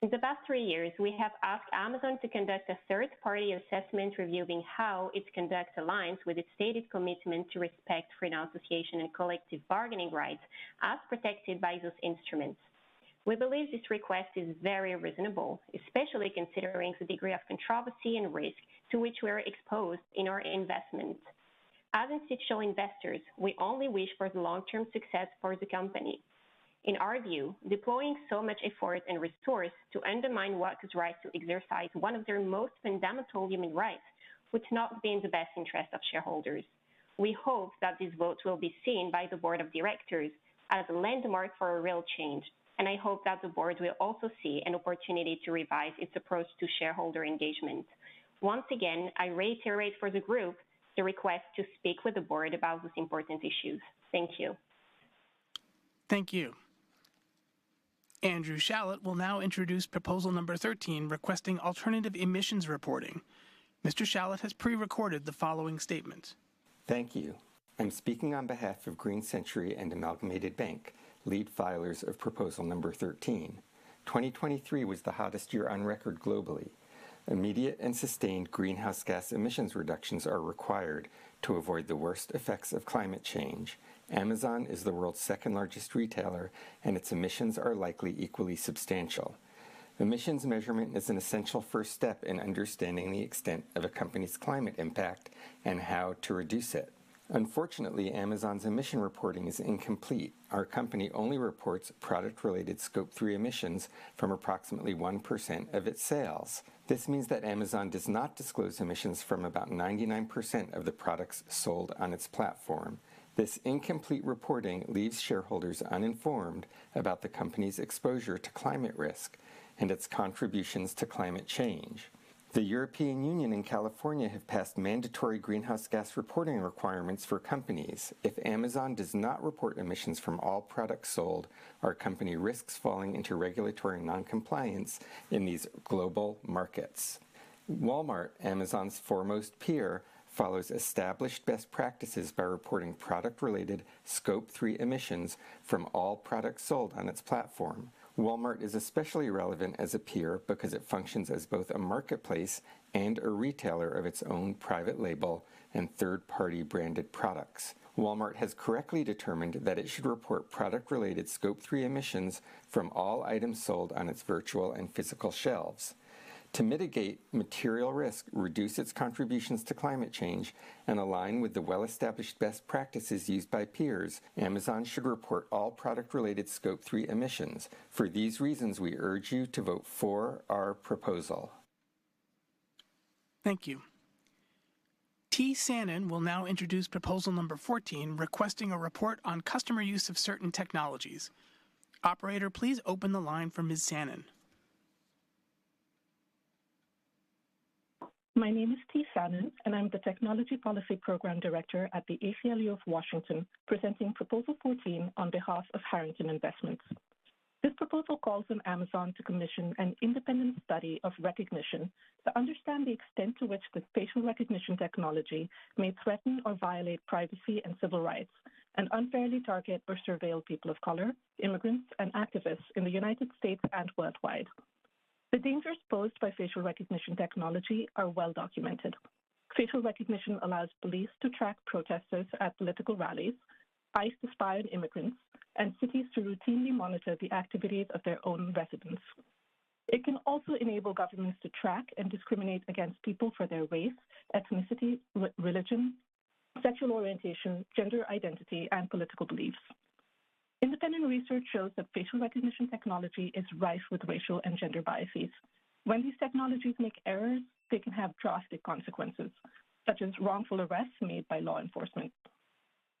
In the past three years, we have asked Amazon to conduct a third-party assessment, reviewing how its conduct aligns with its stated commitment to respect for association and collective bargaining rights as protected by those instruments. We believe this request is very reasonable, especially considering the degree of controversy and risk to which we are exposed in our investments. As institutional investors, we only wish for the long-term success for the company. In our view, deploying so much effort and resource to undermine workers' rights to exercise one of their most fundamental human rights would not be in the best interest of shareholders. We hope that this vote will be seen by the board of directors as a landmark for a real change, and I hope that the board will also see an opportunity to revise its approach to shareholder engagement. Once again, I reiterate for the group the request to speak with the board about these important issues. Thank you. Thank you. Andrew Shalit will now introduce proposal number 13, requesting alternative emissions reporting. Mr. Shalit has pre-recorded the following statement. Thank you. I'm speaking on behalf of Green Century and Amalgamated Bank, lead filers of proposal number 13.... 2023 was the hottest year on record globally. Immediate and sustained greenhouse gas emissions reductions are required to avoid the worst effects of climate change. Amazon is the world's second-largest retailer, and its emissions are likely equally substantial. Emissions measurement is an essential first step in understanding the extent of a company's climate impact and how to reduce it. Unfortunately, Amazon's emission reporting is incomplete. Our company only reports product-related Scope 3 emissions from approximately 1% of its sales. This means that Amazon does not disclose emissions from about 99% of the products sold on its platform. This incomplete reporting leaves shareholders uninformed about the company's exposure to climate risk and its contributions to climate change. The European Union and California have passed mandatory greenhouse gas reporting requirements for companies. If Amazon does not report emissions from all products sold, our company risks falling into regulatory non-compliance in these global markets. Walmart, Amazon's foremost peer, follows established best practices by reporting product-related Scope 3 emissions from all products sold on its platform. Walmart is especially relevant as a peer because it functions as both a marketplace and a retailer of its own private label and third-party branded products. Walmart has correctly determined that it should report product-related Scope 3 emissions from all items sold on its virtual and physical shelves. To mitigate material risk, reduce its contributions to climate change, and align with the well-established best practices used by peers, Amazon should report all product-related Scope 3 emissions. For these reasons, we urge you to vote for our proposal. Thank you. Tejal Sambhu will now introduce proposal number 14, requesting a report on customer use of certain technologies. Operator, please open the line for Ms. Sambhu. My name is Tejal Samb and I'm the Technology Policy Program Director at the ACLU of Washington, presenting proposal 14 on behalf of Harrington Investments. This proposal calls on Amazon to commission an independent study of Rekognition to understand the extent to which this facial recognition technology may threaten or violate privacy and civil rights and unfairly target or surveil people of color, immigrants, and activists in the United States and worldwide. The dangers posed by facial recognition technology are well documented. Facial recognition allows police to track protesters at political rallies, ICE to spy on immigrants, and cities to routinely monitor the activities of their own residents. It can also enable governments to track and discriminate against people for their race, ethnicity, religion, sexual orientation, gender identity, and political beliefs. Independent research shows that facial recognition technology is rife with racial and gender biases. When these technologies make errors, they can have drastic consequences, such as wrongful arrests made by law enforcement.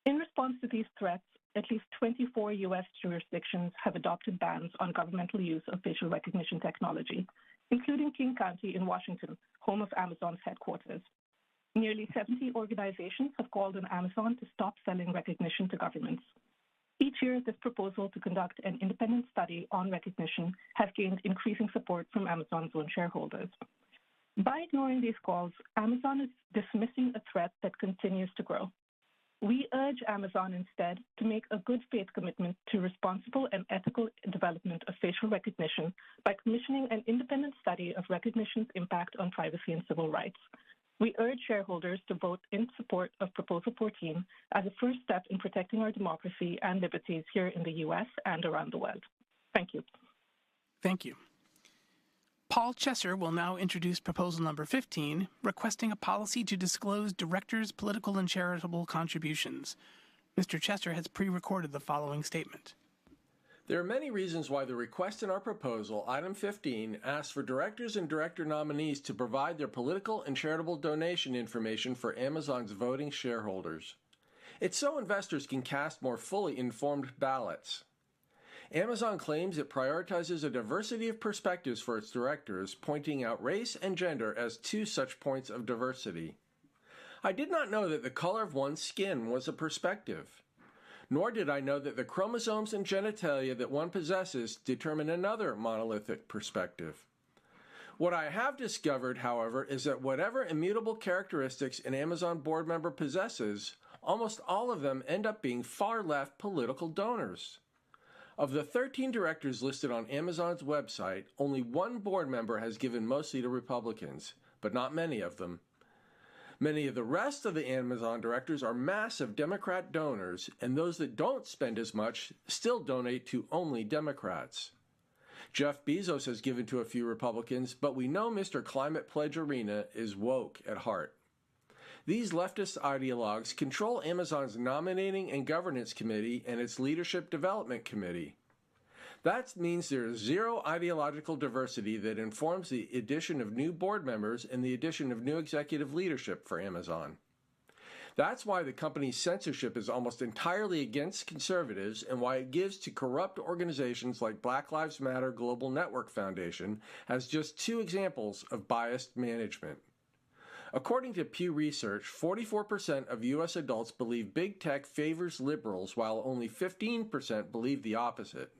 In response to these threats, at least 24 U.S. jurisdictions have adopted bans on governmental use of facial recognition technology, including King County in Washington, home of Amazon's headquarters. Nearly 70 organizations have called on Amazon to stop selling Rekognition to governments. Each year, this proposal to conduct an independent study on Rekognition has gained increasing support from Amazon's own shareholders. By ignoring these calls, Amazon is dismissing a threat that continues to grow. We urge Amazon instead to make a good-faith commitment to responsible and ethical development of facial recognition by commissioning an independent study of Rekognition's impact on privacy and civil rights. We urge shareholders to vote in support of Proposal 14 as a first step in protecting our democracy and liberties here in the U.S. and around the world. Thank you. Thank you. Paul Chesser will now introduce proposal number 15, requesting a policy to disclose directors' political and charitable contributions. Mr. Chesser has pre-recorded the following statement. There are many reasons why the request in our proposal, item 15, asks for directors and director nominees to provide their political and charitable donation information for Amazon's voting shareholders. It's so investors can cast more fully informed ballots. Amazon claims it prioritizes a diversity of perspectives for its directors, pointing out race and gender as two such points of diversity. I did not know that the color of one's skin was a perspective, nor did I know that the chromosomes and genitalia that one possesses determine another monolithic perspective. What I have discovered, however, is that whatever immutable characteristics an Amazon board member possesses, almost all of them end up being far-left political donors. Of the 13 directors listed on Amazon's website, only one board member has given mostly to Republicans, but not many of them. Many of the rest of the Amazon directors are massive Democrat donors, and those that don't spend as much still donate to only Democrats. Jeff Bezos has given to a few Republicans, but we know Mr. Climate Pledge Arena is woke at heart. These leftist ideologues control Amazon's Nominating and Governance Committee and its Leadership Development Committee. That means there is zero ideological diversity that informs the addition of new board members and the addition of new executive leadership for Amazon. That's why the company's censorship is almost entirely against conservatives and why it gives to corrupt organizations like Black Lives Matter Global Network Foundation as just two examples of biased management. According to Pew Research, 44% of U.S. adults believe Big Tech favors liberals, while only 15% believe the opposite.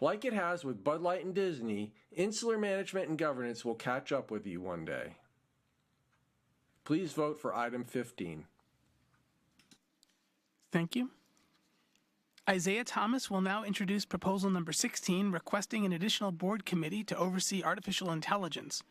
Like it has with Bud Light and Disney, insular management and governance will catch up with you one day. Please vote for item 15.... Thank you. Isaiah Thomas will now introduce proposal number 16, requesting an additional board committee to oversee artificial intelligence.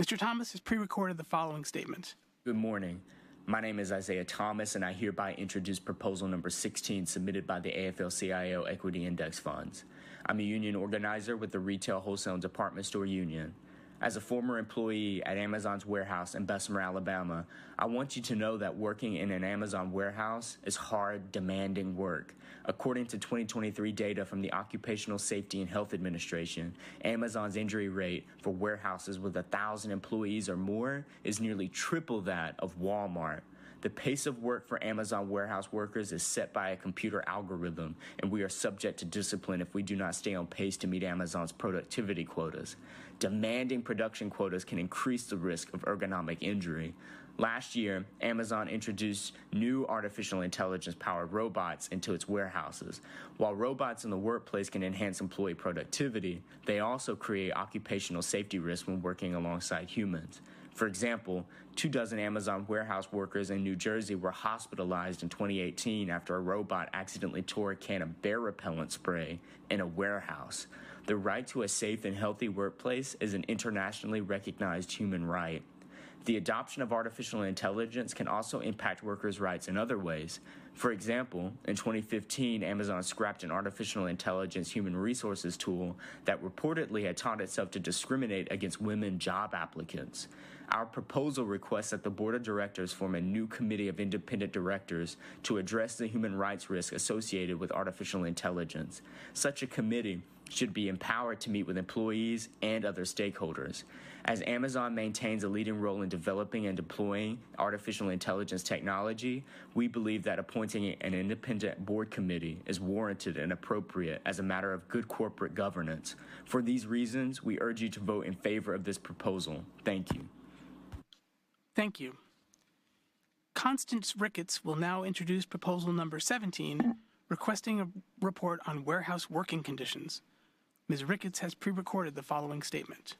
Mr. Thomas has pre-recorded the following statement. Good morning. My name is Isaiah Thomas, and I hereby introduce proposal number 16, submitted by the AFL-CIO Equity Index Funds. I'm a union organizer with the Retail, Wholesale and Department Store Union. As a former employee at Amazon's warehouse in Bessemer, Alabama, I want you to know that working in an Amazon warehouse is hard, demanding work. According to 2023 data from the Occupational Safety and Health Administration, Amazon's injury rate for warehouses with 1,000 employees or more is nearly triple that of Walmart. The pace of work for Amazon warehouse workers is set by a computer algorithm, and we are subject to discipline if we do not stay on pace to meet Amazon's productivity quotas. Demanding production quotas can increase the risk of ergonomic injury. Last year, Amazon introduced new artificial intelligence-powered robots into its warehouses. While robots in the workplace can enhance employee productivity, they also create occupational safety risks when working alongside humans. For example, 24 Amazon warehouse workers in New Jersey were hospitalized in 2018 after a robot accidentally tore a can of bear repellent spray in a warehouse. The right to a safe and healthy workplace is an internationally recognized human right. The adoption of artificial intelligence can also impact workers' rights in other ways. For example, in 2015, Amazon scrapped an artificial intelligence human resources tool that reportedly had taught itself to discriminate against women job applicants. Our proposal requests that the board of directors form a new committee of independent directors to address the human rights risk associated with artificial intelligence. Such a committee should be empowered to meet with employees and other stakeholders. As Amazon maintains a leading role in developing and deploying artificial intelligence technology, we believe that appointing an independent board committee is warranted and appropriate as a matter of good corporate governance. For these reasons, we urge you to vote in favor of this proposal. Thank you. Thank you. Constance Ricketts will now introduce proposal number 17, requesting a report on warehouse working conditions. Ms. Ricketts has pre-recorded the following statement.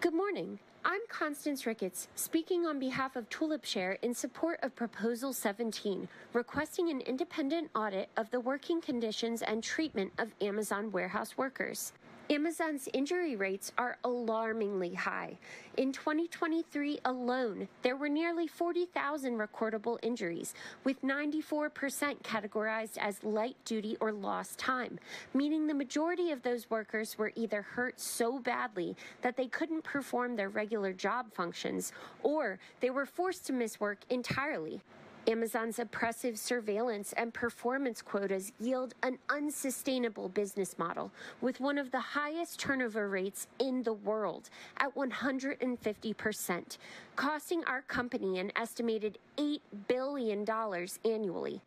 Good morning. I'm Constance Ricketts, speaking on behalf of Tulipshare in support of Proposal Seventeen, requesting an independent audit of the working conditions and treatment of Amazon warehouse workers. Amazon's injury rates are alarmingly high. In 2023 alone, there were nearly 40,000 recordable injuries, with 94% categorized as light duty or lost time, meaning the majority of those workers were either hurt so badly that they couldn't perform their regular job functions, or they were forced to miss work entirely. Amazon's oppressive surveillance and performance quotas yield an unsustainable business model, with one of the highest turnover rates in the world at 150%, costing our company an estimated $8 billion annually.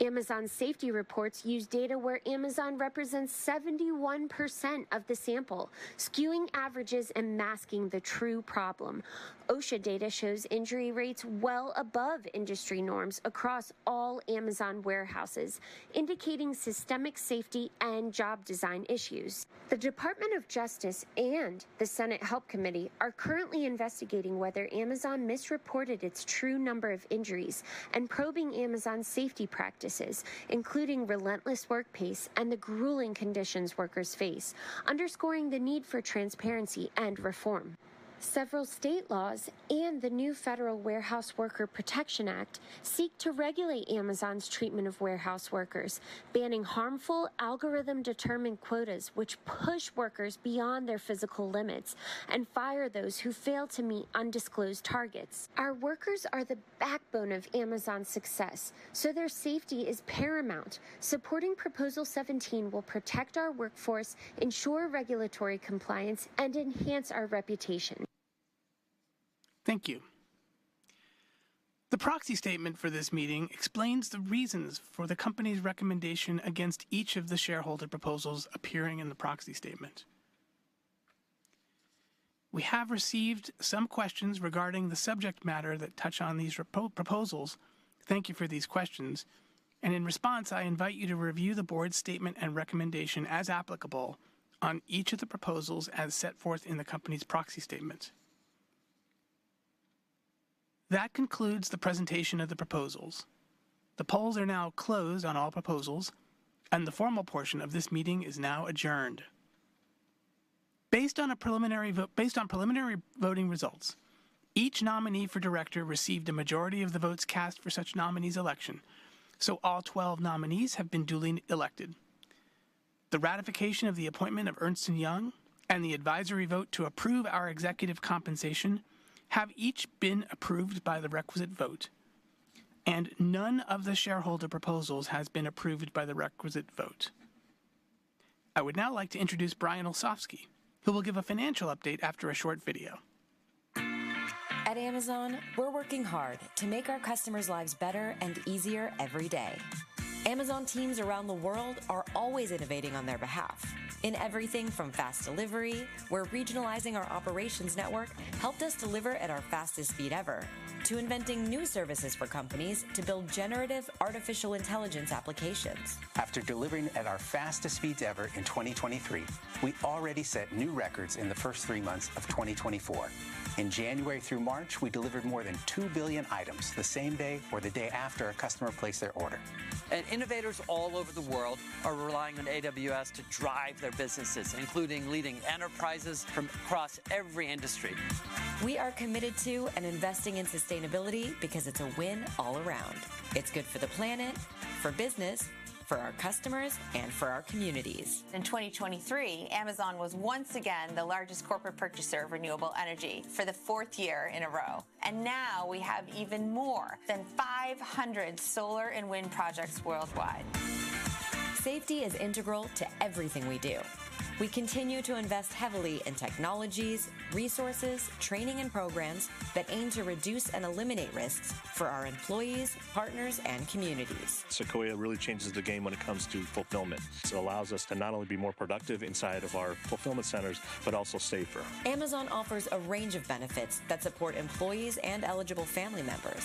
Amazon's safety reports use data where Amazon represents 71% of the sample, skewing averages and masking the true problem. OSHA data shows injury rates well above industry norms across all Amazon warehouses, indicating systemic safety and job design issues. The Department of Justice and the Senate Health Committee are currently investigating whether Amazon misreported its true number of injuries and probing Amazon's safety practices, including relentless work pace and the grueling conditions workers face, underscoring the need for transparency and reform. Several state laws and the new Federal Warehouse Worker Protection Act seek to regulate Amazon's treatment of warehouse workers, banning harmful algorithm-determined quotas, which push workers beyond their physical limits and fire those who fail to meet undisclosed targets. Our workers are the backbone of Amazon's success, so their safety is paramount. Supporting Proposal 17 will protect our workforce, ensure regulatory compliance, and enhance our reputation. Thank you. The proxy statement for this meeting explains the reasons for the company's recommendation against each of the shareholder proposals appearing in the proxy statement. We have received some questions regarding the subject matter that touch on these proposals. Thank you for these questions, and in response, I invite you to review the board's statement and recommendation as applicable on each of the proposals as set forth in the company's proxy statement. That concludes the presentation of the proposals. The polls are now closed on all proposals, and the formal portion of this meeting is now adjourned. Based on a preliminary vote, based on preliminary voting results, each nominee for director received a majority of the votes cast for such nominee's election, so all 12 nominees have been duly elected. The ratification of the appointment of Ernst & Young and the advisory vote to approve our executive compensation have each been approved by the requisite vote, and none of the shareholder proposals has been approved by the requisite vote. I would now like to introduce Brian Olsavsky, who will give a financial update after a short video. At Amazon- We're working hard to make our customers' lives better and easier every day. Amazon teams around the world are always innovating on their behalf, in everything from fast delivery, where regionalizing our operations network helped us deliver at our fastest speed ever, to inventing new services for companies to build generative artificial intelligence applications. After delivering at our fastest speeds ever in 2023, we already set new records in the first three months of 2024. In January through March, we delivered more than 2 billion items the same day or the day after a customer placed their order. Innovators all over the world are relying on AWS to drive their businesses, including leading enterprises from across every industry. We are committed to and investing in sustainability because it's a win all around. It's good for the planet, for business, for our customers, and for our communities. In 2023, Amazon was once again the largest corporate purchaser of renewable energy for the fourth year in a row, and now we have even more than 500 solar and wind projects worldwide. Safety is integral to everything we do. We continue to invest heavily in technologies, resources, training, and programs that aim to reduce and eliminate risks for our employees, partners, and communities. Sequoia really changes the game when it comes to fulfillment. It allows us to not only be more productive inside of our fulfillment centers, but also safer. Amazon offers a range of benefits that support employees and eligible family members.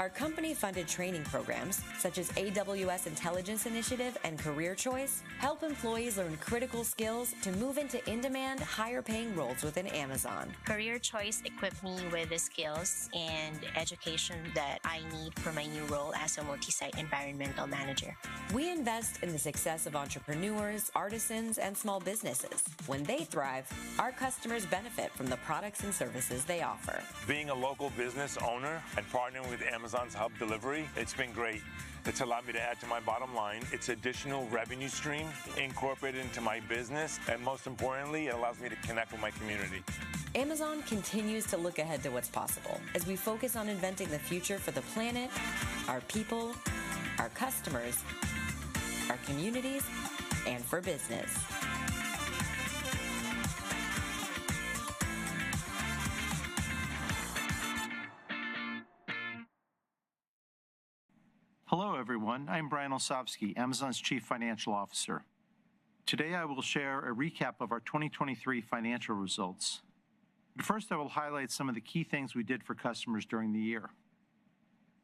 Our company-funded training programs, such as AWS Intelligence Initiative and Career Choice, help employees learn critical skills to move into in-demand, higher-paying roles within Amazon. Career Choice equipped me with the skills and education that I need for my new role as a multi-site environmental manager. We invest in the success of entrepreneurs, artisans, and small businesses. When they thrive, our customers benefit from the products and services they offer. Being a local business owner and partnering with Amazon Hub Delivery, it's been great. It's allowed me to add to my bottom line. It's additional revenue stream incorporated into my business, and most importantly, it allows me to connect with my community. Amazon continues to look ahead to what's possible as we focus on inventing the future for the planet, our people, our customers, our communities, and for business. Hello, everyone. I'm Brian Olsavsky, Amazon's Chief Financial Officer. Today, I will share a recap of our 2023 financial results. But first, I will highlight some of the key things we did for customers during the year.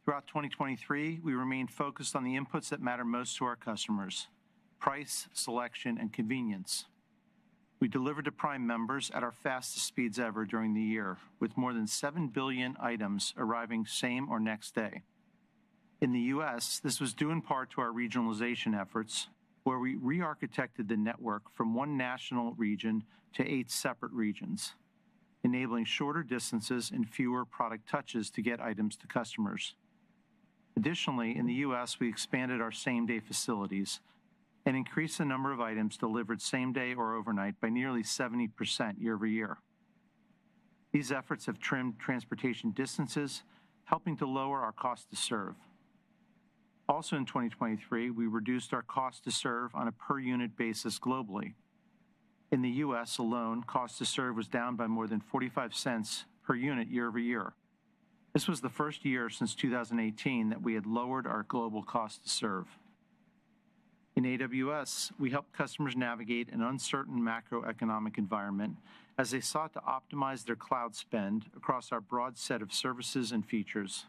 Throughout 2023, we remained focused on the inputs that matter most to our customers: price, selection, and convenience. We delivered to Prime members at our fastest speeds ever during the year, with more than 7 billion items arriving same or next day. In the U.S., this was due in part to our regionalization efforts, where we rearchitected the network from 1 national region to 8 separate regions, enabling shorter distances and fewer product touches to get items to customers. Additionally, in the U.S., we expanded our same-day facilities and increased the number of items delivered same day or overnight by nearly 70% year-over-year. These efforts have trimmed transportation distances, helping to lower our cost to serve. Also, in 2023, we reduced our cost to serve on a per-unit basis globally. In the US alone, cost to serve was down by more than $0.45 per unit year over year. This was the first year since 2018 that we had lowered our global cost to serve. In AWS, we helped customers navigate an uncertain macroeconomic environment as they sought to optimize their cloud spend across our broad set of services and features.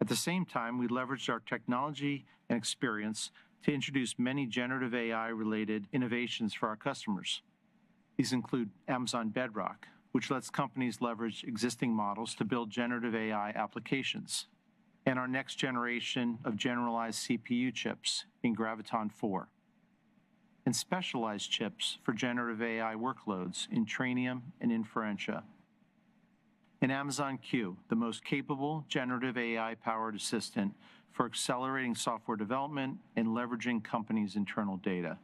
At the same time, we leveraged our technology and experience to introduce many generative AI-related innovations for our customers. These include Amazon Bedrock, which lets companies leverage existing models to build generative AI applications, and our next generation of generalized CPU chips in Graviton4, and specialized chips for generative AI workloads in Trainium and Inferentia. In Amazon Q, the most capable generative AI-powered assistant for accelerating software development and leveraging companies' internal data.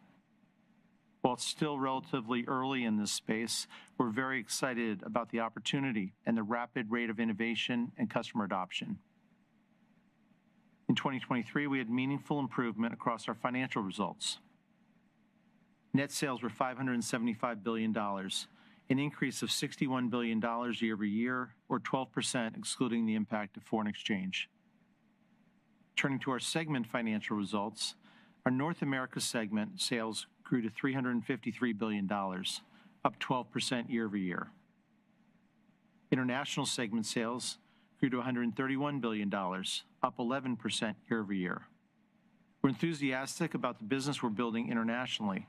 While it's still relatively early in this space, we're very excited about the opportunity and the rapid rate of innovation and customer adoption. In 2023, we had meaningful improvement across our financial results. Net sales were $575 billion, an increase of $61 billion year over year, or 12%, excluding the impact of foreign exchange. Turning to our segment financial results, our North America segment sales grew to $353 billion, up 12% year over year. International segment sales grew to $131 billion, up 11% year over year. We're enthusiastic about the business we're building internationally.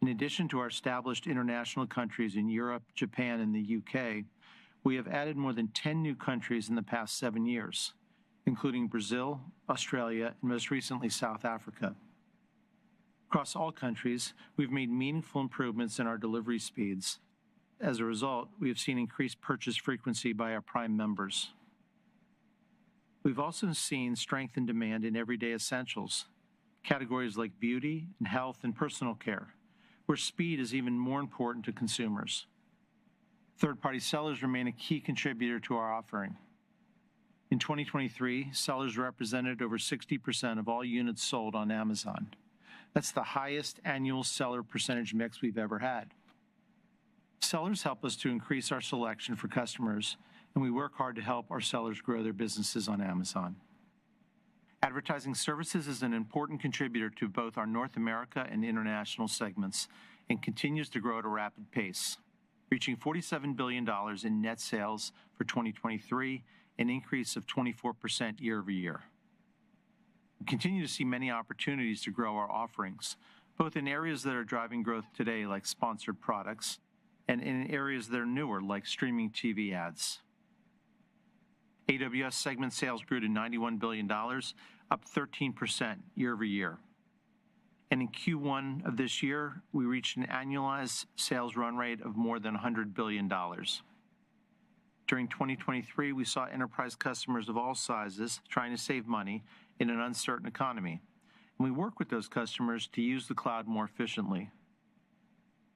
In addition to our established international countries in Europe, Japan, and the UK, we have added more than 10 new countries in the past 7 years, including Brazil, Australia, and most recently, South Africa. Across all countries, we've made meaningful improvements in our delivery speeds. As a result, we have seen increased purchase frequency by our Prime members. We've also seen strength in demand in everyday essentials, categories like beauty and health and personal care, where speed is even more important to consumers. Third-party sellers remain a key contributor to our offering.... In 2023, sellers represented over 60% of all units sold on Amazon. That's the highest annual seller percentage mix we've ever had. Sellers help us to increase our selection for customers, and we work hard to help our sellers grow their businesses on Amazon. Advertising Services is an important contributor to both our North America and international segments and continues to grow at a rapid pace, reaching $47 billion in net sales for 2023, an increase of 24% year-over-year. We continue to see many opportunities to grow our offerings, both in areas that are driving growth today, like Sponsored Products, and in areas that are newer, like streaming TV ads. AWS segment sales grew to $91 billion, up 13% year-over-year. In Q1 of this year, we reached an annualized sales run rate of more than $100 billion. During 2023, we saw enterprise customers of all sizes trying to save money in an uncertain economy. We worked with those customers to use the cloud more efficiently.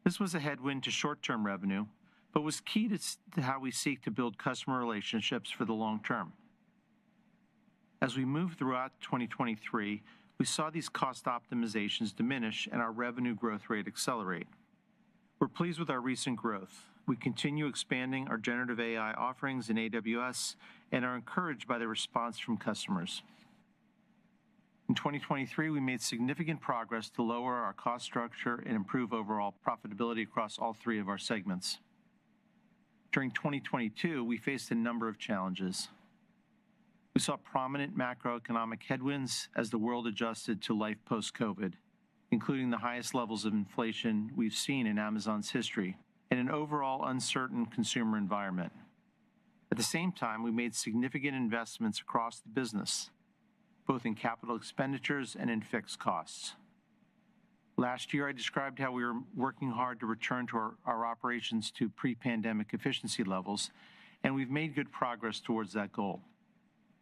This was a headwind to short-term revenue but was key to how we seek to build customer relationships for the long term. As we moved throughout 2023, we saw these cost optimizations diminish and our revenue growth rate accelerate. We're pleased with our recent growth. We continue expanding our generative AI offerings in AWS and are encouraged by the response from customers. In 2023, we made significant progress to lower our cost structure and improve overall profitability across all three of our segments. During 2022, we faced a number of challenges. We saw prominent macroeconomic headwinds as the world adjusted to life post-COVID, including the highest levels of inflation we've seen in Amazon's history and an overall uncertain consumer environment. At the same time, we made significant investments across the business, both in capital expenditures and in fixed costs. Last year, I described how we were working hard to return to our operations to pre-pandemic efficiency levels, and we've made good progress towards that goal.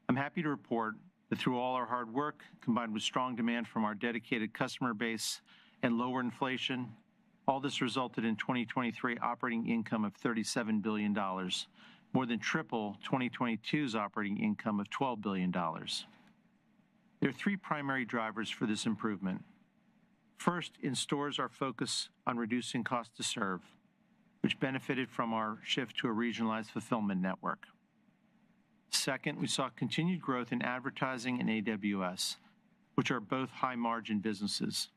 I'm happy to report that through all our hard work, combined with strong demand from our dedicated customer base and lower inflation, all this resulted in 2023 operating income of $37 billion, more than triple 2022's operating income of $12 billion. There are three primary drivers for this improvement. First, in stores, our focus on reducing cost to serve, which benefited from our shift to a regionalized fulfillment network. Second, we saw continued growth in advertising in AWS, which are both high-margin businesses.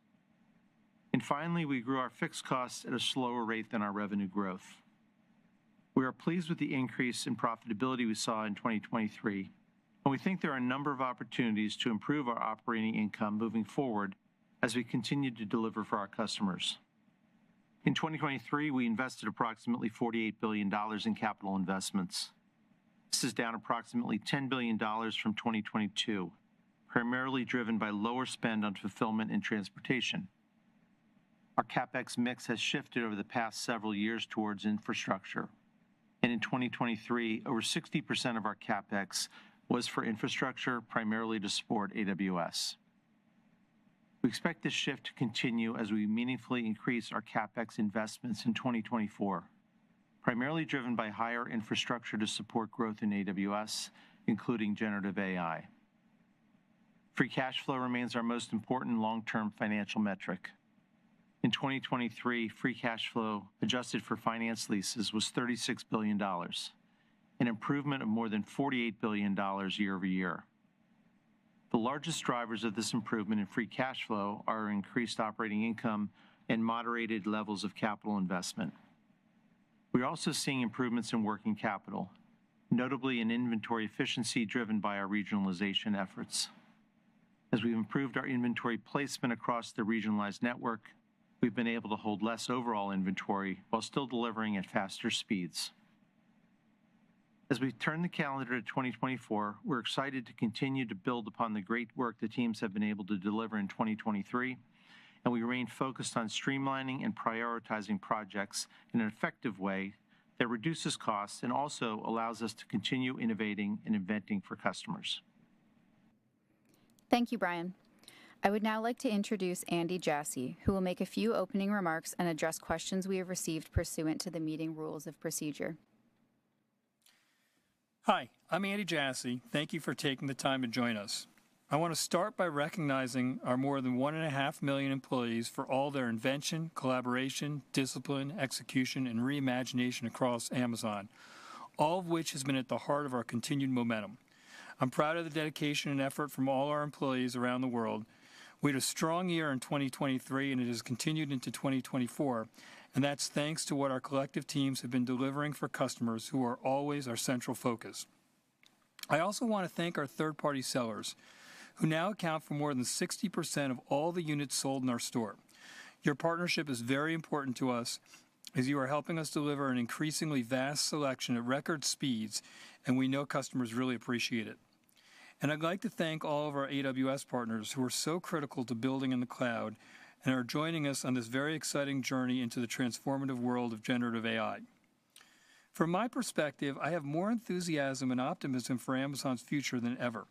Finally, we grew our fixed costs at a slower rate than our revenue growth. We are pleased with the increase in profitability we saw in 2023, and we think there are a number of opportunities to improve our operating income moving forward as we continue to deliver for our customers. In 2023, we invested approximately $48 billion in capital investments. This is down approximately $10 billion from 2022, primarily driven by lower spend on fulfillment and transportation. Our CapEx mix has shifted over the past several years towards infrastructure, and in 2023, over 60% of our CapEx was for infrastructure, primarily to support AWS. We expect this shift to continue as we meaningfully increase our CapEx investments in 2024, primarily driven by higher infrastructure to support growth in AWS, including generative AI. Free cash flow remains our most important long-term financial metric. In 2023, free cash flow, adjusted for finance leases, was $36 billion, an improvement of more than $48 billion year-over-year. The largest drivers of this improvement in free cash flow are increased operating income and moderated levels of capital investment. We're also seeing improvements in working capital, notably in inventory efficiency, driven by our regionalization efforts. As we've improved our inventory placement across the regionalized network, we've been able to hold less overall inventory while still delivering at faster speeds. As we turn the calendar to 2024, we're excited to continue to build upon the great work the teams have been able to deliver in 2023, and we remain focused on streamlining and prioritizing projects in an effective way that reduces costs and also allows us to continue innovating and inventing for customers. Thank you, Brian. I would now like to introduce Andy Jassy, who will make a few opening remarks and address questions we have received pursuant to the meeting rules of procedure. Hi, I'm Andy Jassy. Thank you for taking the time to join us. I wanna start by recognizing our more than 1.5 million employees for all their invention, collaboration, discipline, execution, and reimagination across Amazon, all of which has been at the heart of our continued momentum. I'm proud of the dedication and effort from all our employees around the world. We had a strong year in 2023, and it has continued into 2024, and that's thanks to what our collective teams have been delivering for customers who are always our central focus. I also want to thank our third-party sellers, who now account for more than 60% of all the units sold in our store. Your partnership is very important to us as you are helping us deliver an increasingly vast selection at record speeds, and we know customers really appreciate it. I'd like to thank all of our AWS partners who are so critical to building in the cloud and are joining us on this very exciting journey into the transformative world of generative AI. From my perspective, I have more enthusiasm and optimism for Amazon's future than ever...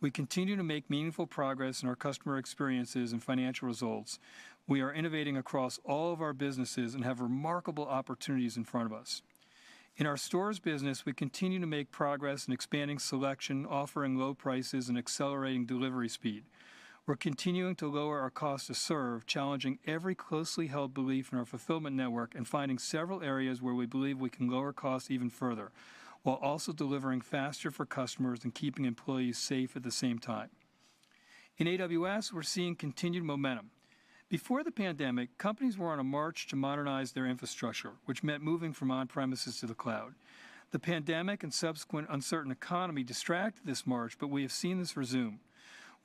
We continue to make meaningful progress in our customer experiences and financial results. We are innovating across all of our businesses and have remarkable opportunities in front of us. In our stores business, we continue to make progress in expanding selection, offering low prices, and accelerating delivery speed. We're continuing to lower our cost to serve, challenging every closely held belief in our fulfillment network, and finding several areas where we believe we can lower costs even further, while also delivering faster for customers and keeping employees safe at the same time. In AWS, we're seeing continued momentum. Before the pandemic, companies were on a march to modernize their infrastructure, which meant moving from on-premises to the cloud. The pandemic and subsequent uncertain economy distracted this march, but we have seen this resume.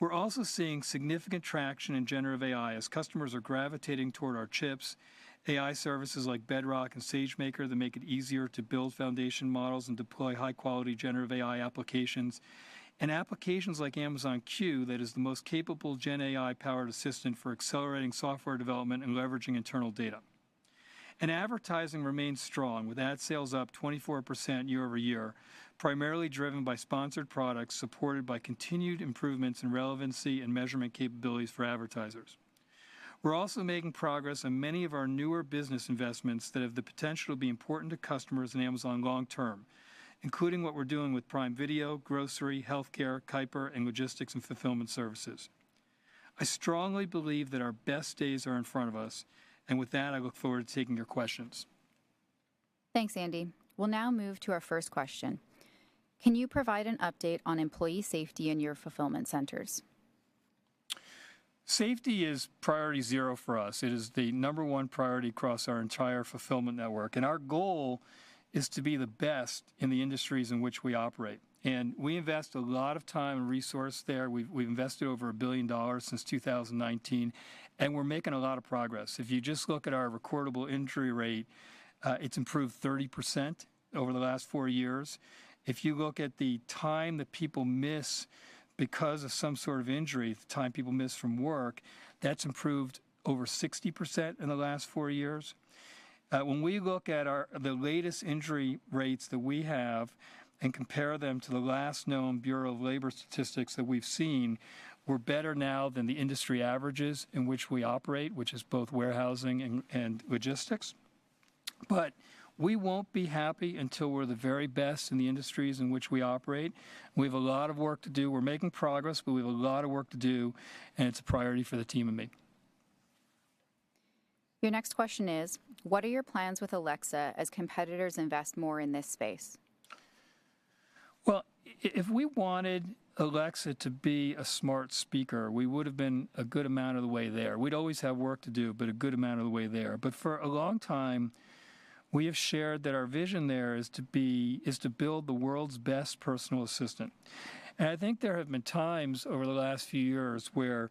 We're also seeing significant traction in generative AI as customers are gravitating toward our chips, AI services like Bedrock and SageMaker that make it easier to build foundation models and deploy high-quality generative AI applications, and applications like Amazon Q, that is the most capable GenAI-powered assistant for accelerating software development and leveraging internal data. Advertising remains strong, with ad sales up 24% year-over-year, primarily driven by Sponsored Products, supported by continued improvements in relevancy and measurement capabilities for advertisers. We're also making progress on many of our newer business investments that have the potential to be important to customers and Amazon long term, including what we're doing with Prime Video, grocery, healthcare, Kuiper, and logistics and fulfillment services. I strongly believe that our best days are in front of us, and with that, I look forward to taking your questions. Thanks, Andy. We'll now move to our first question: Can you provide an update on employee safety in your fulfillment centers? Safety is priority zero for us. It is the number one priority across our entire fulfillment network, and our goal is to be the best in the industries in which we operate. We invest a lot of time and resource there. We've, we've invested over $1 billion since 2019, and we're making a lot of progress. If you just look at our recordable injury rate, it's improved 30% over the last four years. If you look at the time that people miss because of some sort of injury, the time people miss from work, that's improved over 60% in the last four years. When we look at our... The latest injury rates that we have and compare them to the last known Bureau of Labor Statistics that we've seen, we're better now than the industry averages in which we operate, which is both warehousing and logistics. But we won't be happy until we're the very best in the industries in which we operate. We have a lot of work to do. We're making progress, but we have a lot of work to do, and it's a priority for the team and me. Your next question is: What are your plans with Alexa as competitors invest more in this space? Well, if we wanted Alexa to be a smart speaker, we would've been a good amount of the way there. We'd always have work to do, but a good amount of the way there. But for a long time, we have shared that our vision there is to be, is to build the world's best personal assistant. And I think there have been times over the last few years where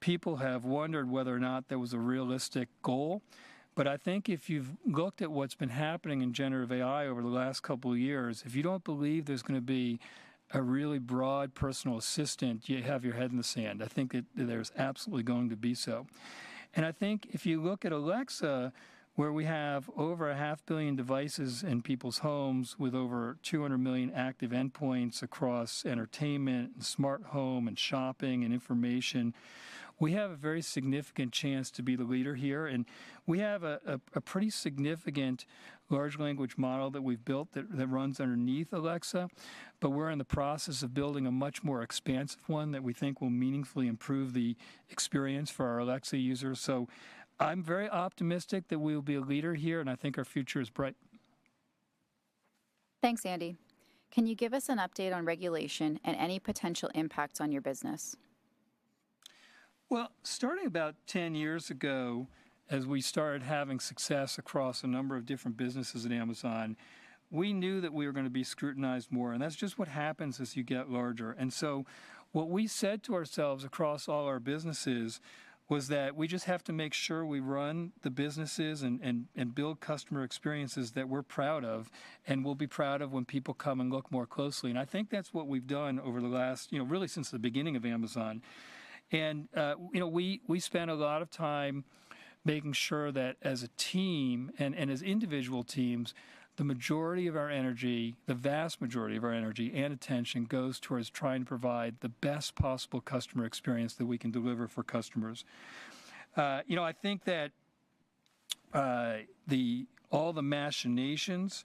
people have wondered whether or not that was a realistic goal. But I think if you've looked at what's been happening in generative AI over the last couple of years, if you don't believe there's gonna be a really broad personal assistant, you have your head in the sand. I think that there's absolutely going to be so. I think if you look at Alexa, where we have over 500 million devices in people's homes, with over 200 million active endpoints across entertainment and smart home and shopping and information, we have a very significant chance to be the leader here, and we have a pretty significant large language model that we've built that runs underneath Alexa. But we're in the process of building a much more expansive one that we think will meaningfully improve the experience for our Alexa users. I'm very optimistic that we will be a leader here, and I think our future is bright. Thanks, Andy. Can you give us an update on regulation and any potential impacts on your business? Well, starting about 10 years ago, as we started having success across a number of different businesses at Amazon, we knew that we were gonna be scrutinized more, and that's just what happens as you get larger. And so what we said to ourselves across all our businesses was that we just have to make sure we run the businesses and build customer experiences that we're proud of and will be proud of when people come and look more closely. And I think that's what we've done over the last, you know, really since the beginning of Amazon. You know, we spend a lot of time making sure that as a team and as individual teams, the majority of our energy, the vast majority of our energy and attention, goes towards trying to provide the best possible customer experience that we can deliver for customers. You know, I think that all the machinations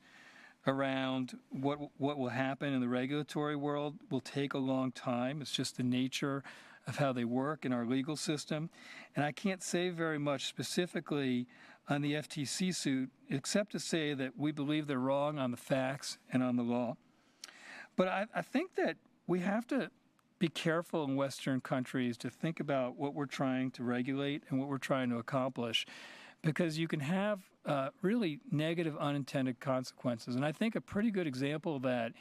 around what will happen in the regulatory world will take a long time. It's just the nature of how they work in our legal system, and I can't say very much specifically on the FTC suit, except to say that we believe they're wrong on the facts and on the law. But I think that we have to be careful in Western countries to think about what we're trying to regulate and what we're trying to accomplish, because you can have really negative, unintended consequences. I think a pretty good example of that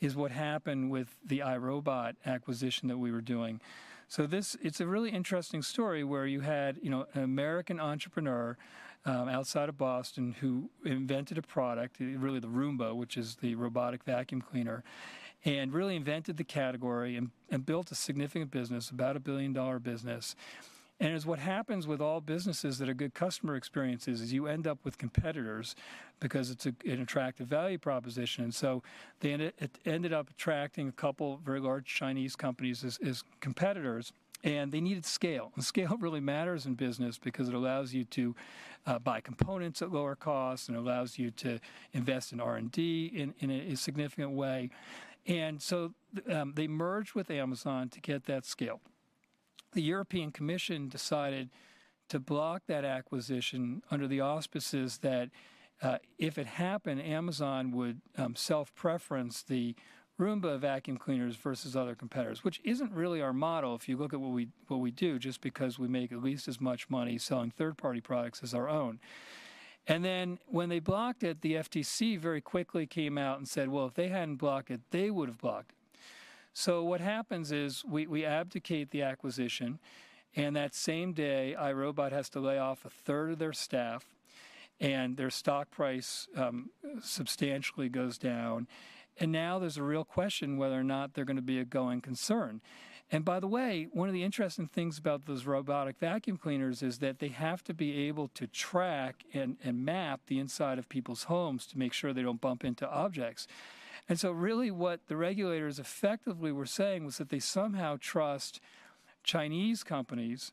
is what happened with the iRobot acquisition that we were doing. So this, it's a really interesting story where you had, you know, an American entrepreneur, outside of Boston, who invented a product, really the Roomba, which is the robotic vacuum cleaner, and really invented the category and, and built a significant business, about a billion-dollar business. And as what happens with all businesses that are good customer experiences, is you end up with competitors because it's a, an attractive value proposition. And so they ended, it ended up attracting a couple very large Chinese companies as, as competitors, and they needed scale. And scale really matters in business because it allows you to, buy components at lower costs, and allows you to invest in R&D in, in a significant way. They merged with Amazon to get that scale. The European Commission decided to block that acquisition under the auspices that if it happened, Amazon would self-preference the Roomba vacuum cleaners versus other competitors, which isn't really our model, if you look at what we, what we do, just because we make at least as much money selling third-party products as our own. And then, when they blocked it, the FTC very quickly came out and said, "Well, if they hadn't blocked it, they would've blocked it." So what happens is we, we abdicate the acquisition, and that same day, iRobot has to lay off a third of their staff, and their stock price substantially goes down. And now, there's a real question whether or not they're gonna be a going concern. By the way, one of the interesting things about those robotic vacuum cleaners is that they have to be able to track and map the inside of people's homes to make sure they don't bump into objects. So really, what the regulators effectively were saying was that they somehow trust Chinese companies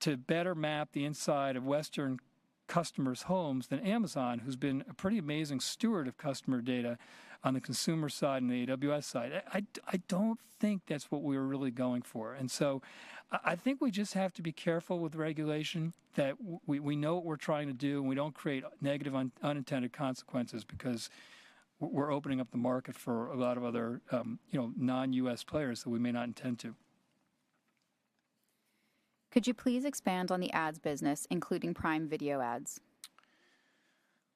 to better map the inside of Western customers' homes than Amazon, who's been a pretty amazing steward of customer data on the consumer side and the AWS side. I don't think that's what we were really going for. So I think we just have to be careful with regulation, that we know what we're trying to do, and we don't create negative unintended consequences because we're opening up the market for a lot of other, you know, non-US players that we may not intend to. Could you please expand on the ads business, including Prime Video ads?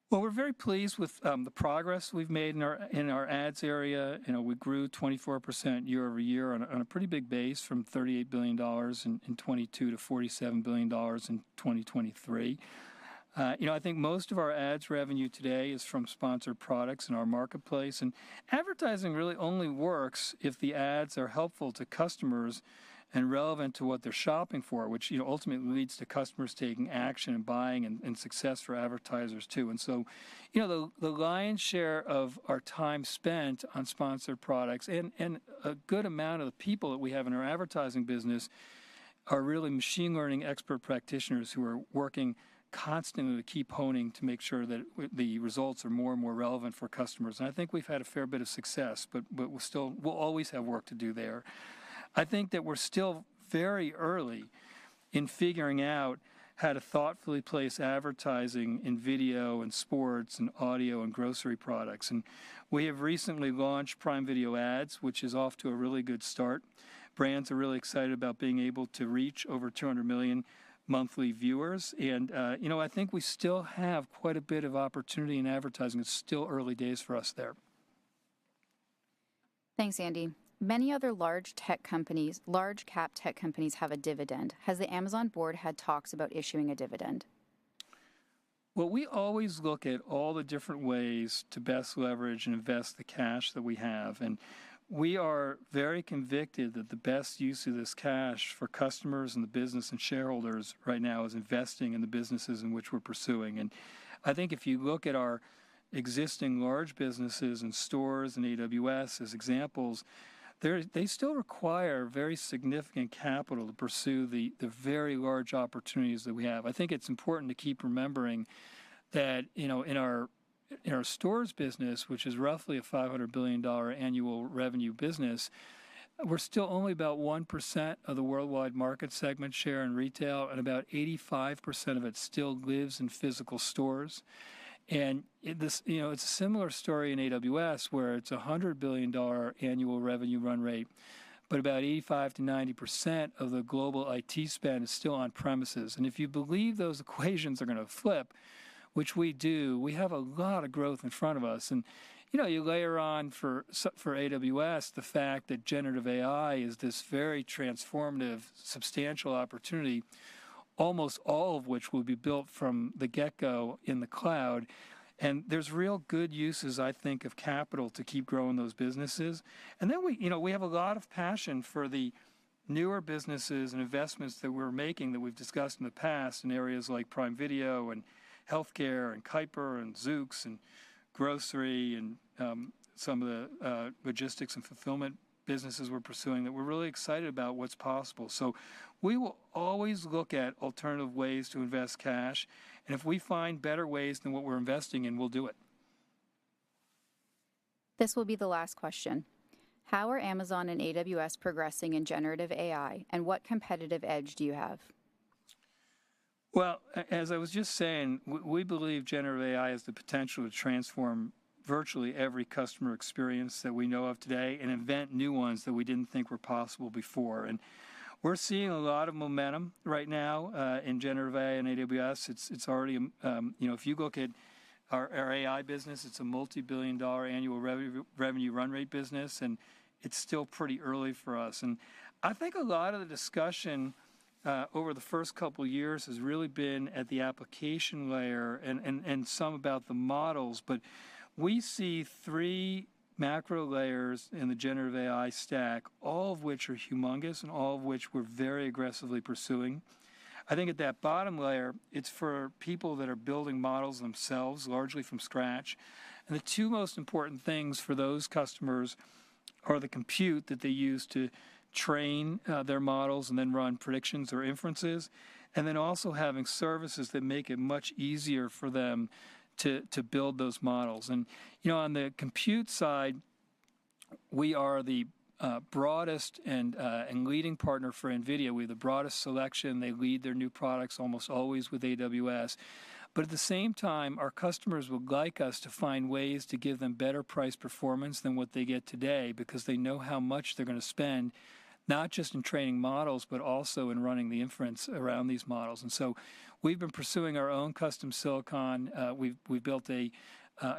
Well, we're very pleased with the progress we've made in our, in our ads area. You know, we grew 24% year-over-year on a, on a pretty big base, from $38 billion in 2022 to $47 billion in 2023. You know, I think most of our ads revenue today is from Sponsored Products in our marketplace, and advertising really only works if the ads are helpful to customers and relevant to what they're shopping for, which, you know, ultimately leads to customers taking action and buying, and, and success for advertisers, too. You know, the lion's share of our time spent on Sponsored Products and a good amount of the people that we have in our advertising business are really machine learning expert practitioners who are working constantly to keep honing, to make sure that the results are more and more relevant for customers. I think we've had a fair bit of success, but we're still. We'll always have work to do there. I think that we're still very early in figuring out how to thoughtfully place advertising in video, and sports, and audio, and grocery products. We have recently launched Prime Video ads, which is off to a really good start. Brands are really excited about being able to reach over 200 million monthly viewers, and you know, I think we still have quite a bit of opportunity in advertising. It's still early days for us there. Thanks, Andy. Many other large tech companies, large cap tech companies, have a dividend. Has the Amazon board had talks about issuing a dividend? Well, we always look at all the different ways to best leverage and invest the cash that we have, and we are very convicted that the best use of this cash for customers, and the business, and shareholders right now is investing in the businesses in which we're pursuing. And I think if you look at our existing large businesses, and stores, and AWS as examples, they're they still require very significant capital to pursue the very large opportunities that we have. I think it's important to keep remembering that, you know, in our, in our stores business, which is roughly a $500 billion annual revenue business, we're still only about 1% of the worldwide market segment share in retail, and about 85% of it still lives in physical stores. And this-- You know, it's a similar story in AWS, where it's a $100 billion annual revenue run rate, but about 85%-90% of the global IT spend is still on premises. And if you believe those equations are gonna flip, which we do, we have a lot of growth in front of us. And, you know, you layer on for AWS, the fact that generative AI is this very transformative, substantial opportunity, almost all of which will be built from the get-go in the cloud, and there's real good uses, I think, of capital to keep growing those businesses. Then we, you know, we have a lot of passion for the newer businesses and investments that we're making, that we've discussed in the past, in areas like Prime Video, and healthcare, and Kuiper, and Zoox, and grocery, and some of the logistics and fulfillment businesses we're pursuing, that we're really excited about what's possible. We will always look at alternative ways to invest cash, and if we find better ways than what we're investing in, we'll do it. This will be the last question: How are Amazon and AWS progressing in generative AI, and what competitive edge do you have? Well, as I was just saying, we believe generative AI has the potential to transform virtually every customer experience that we know of today and invent new ones that we didn't think were possible before. And we're seeing a lot of momentum right now in generative AI and AWS. It's already, you know, if you look at our AI business, it's a $multi-billion-dollar annual revenue run rate business, and it's still pretty early for us. And I think a lot of the discussion over the first couple years has really been at the application layer and some about the models, but we see three macro layers in the generative AI stack, all of which are humongous, and all of which we're very aggressively pursuing. I think at that bottom layer, it's for people that are building models themselves, largely from scratch. And the two most important things for those customers are the compute that they use to train their models and then run predictions or inferences, and then also having services that make it much easier for them to, to build those models. And, you know, on the compute side, we are the broadest and leading partner for NVIDIA. We have the broadest selection. They lead their new products almost always with AWS. But at the same time, our customers would like us to find ways to give them better price performance than what they get today because they know how much they're gonna spend, not just in training models, but also in running the inference around these models. And so we've been pursuing our own custom silicon. We've built a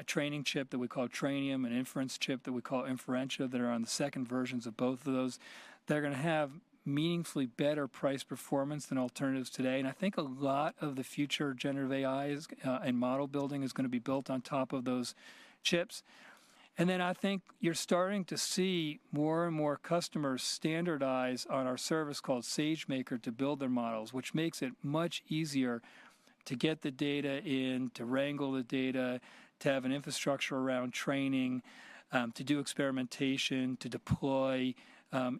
training chip that we call Trainium, an inference chip that we call Inferentia. They're on the second versions of both of those. They're gonna have meaningfully better price performance than alternatives today. And I think a lot of the future generative AI is and model building is gonna be built on top of those chips. And then I think you're starting to see more and more customers standardize on our service called SageMaker to build their models, which makes it much easier to get the data in, to wrangle the data, to have an infrastructure around training, to do experimentation, to deploy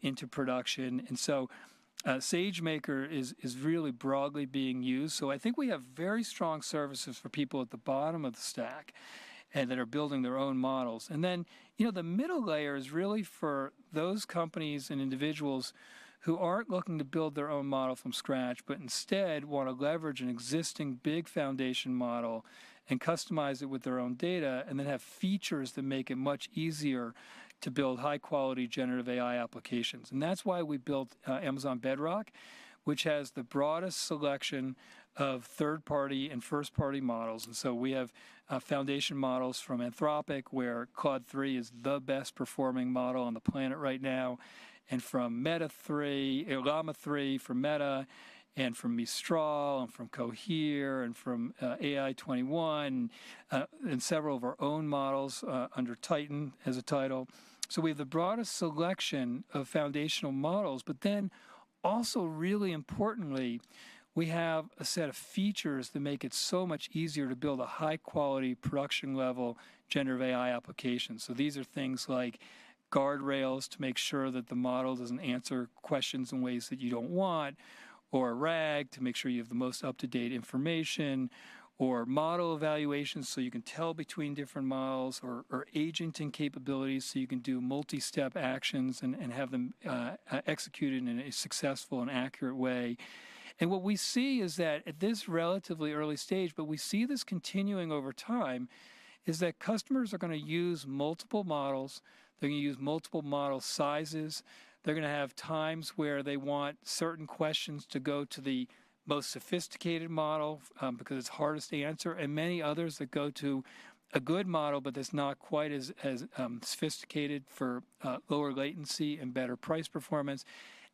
into production. And so, SageMaker is really broadly being used. So I think we have very strong services for people at the bottom of the stack and that are building their own models. And then, you know, the middle layer is really for those companies and individuals who aren't looking to build their own model from scratch, but instead want to leverage an existing big foundation model and customize it with their own data, and then have features that make it much easier to build high-quality generative AI applications. And that's why we built Amazon Bedrock, which has the broadest selection of third-party and first-party models. And so we have foundation models from Anthropic, where Claude 3 is the best performing model on the planet right now, and Llama 3 from Meta, and from Mistral, and from Cohere, and from AI21, and several of our own models under Titan as a title. So we have the broadest selection of foundation models, but then also, really importantly, we have a set of features that make it so much easier to build a high-quality, production-level generative AI application. So these are things like guardrails to make sure that the model doesn't answer questions in ways that you don't want, or a RAG to make sure you have the most up-to-date information, or model evaluations so you can tell between different models, or agenting capabilities, so you can do multi-step actions and have them executed in a successful and accurate way. And what we see is that at this relatively early stage, but we see this continuing over time, is that customers are gonna use multiple models. They're gonna use multiple model sizes. They're gonna have times where they want certain questions to go to the most sophisticated model, because it's hardest to answer, and many others that go to a good model, but that's not quite as sophisticated for lower latency and better price performance.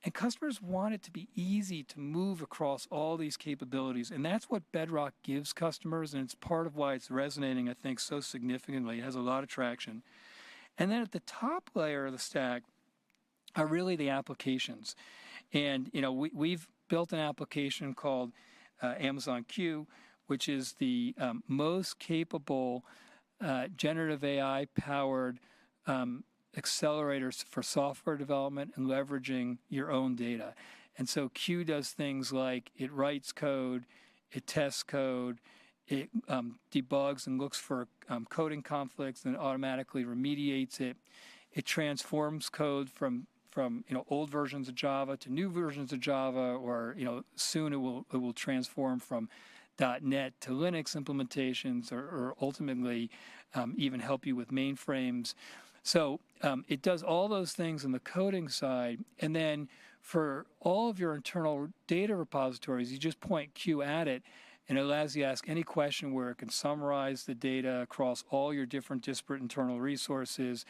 And customers want it to be easy to move across all these capabilities, and that's what Bedrock gives customers, and it's part of why it's resonating, I think, so significantly. It has a lot of traction. And then at the top layer of the stack are really the applications. And, you know, we, we've built an application called Amazon Q, which is the most capable generative AI-powered assistant for software development and leveraging your own data. And so Q does things like it writes code, it tests code, it debugs and looks for coding conflicts and automatically remediates it. It transforms code from you know old versions of Java to new versions of Java, or you know soon it will transform from .NET to Linux implementations or ultimately even help you with mainframes. So it does all those things on the coding side, and then for all of your internal data repositories, you just point Q at it, and it allows you to ask any question where it can summarize the data across all your different disparate internal resources.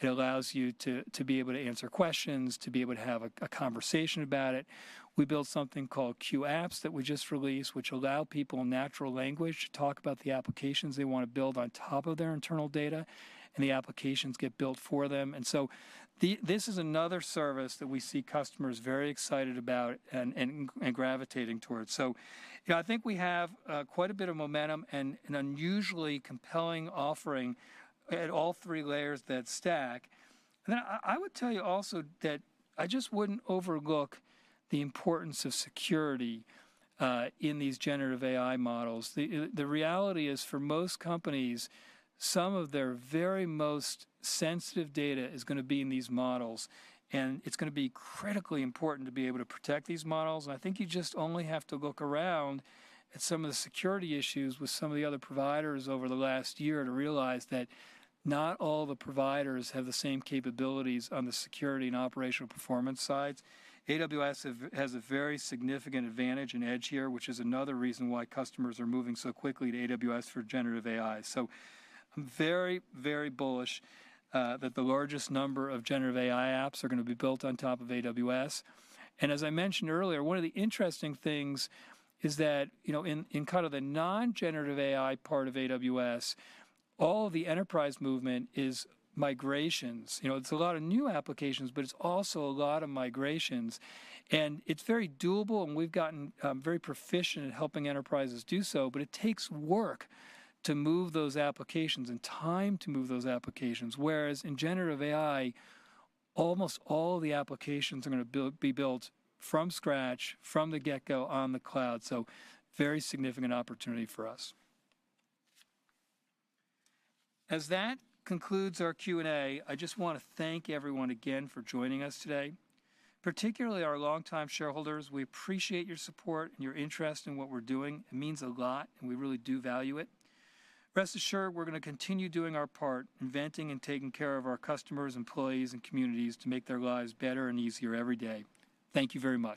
It allows you to be able to answer questions, to be able to have a conversation about it. We built something called Q Apps that we just released, which allow people in natural language to talk about the applications they wanna build on top of their internal data, and the applications get built for them. So this is another service that we see customers very excited about and gravitating towards. So, yeah, I think we have quite a bit of momentum and an unusually compelling offering at all three layers that stack. And I would tell you also that I just wouldn't overlook the importance of security in these generative AI models. The reality is, for most companies, some of their very most sensitive data is gonna be in these models, and it's gonna be critically important to be able to protect these models. And I think you just only have to look around at some of the security issues with some of the other providers over the last year to realize that not all the providers have the same capabilities on the security and operational performance sides. AWS has a very significant advantage and edge here, which is another reason why customers are moving so quickly to AWS for generative AI. So I'm very, very bullish that the largest number of generative AI apps are gonna be built on top of AWS. And as I mentioned earlier, one of the interesting things is that, you know, in, in kind of the non-generative AI part of AWS, all of the enterprise movement is migrations. You know, it's a lot of new applications, but it's also a lot of migrations, and it's very doable, and we've gotten very proficient at helping enterprises do so. But it takes work to move those applications and time to move those applications. Whereas in generative AI, almost all of the applications are gonna be built from scratch, from the get-go, on the cloud. So very significant opportunity for us. As that concludes our Q&A, I just wanna thank everyone again for joining us today, particularly our longtime shareholders. We appreciate your support and your interest in what we're doing. It means a lot, and we really do value it. Rest assured, we're gonna continue doing our part, inventing and taking care of our customers, employees, and communities to make their lives better and easier every day. Thank you very much.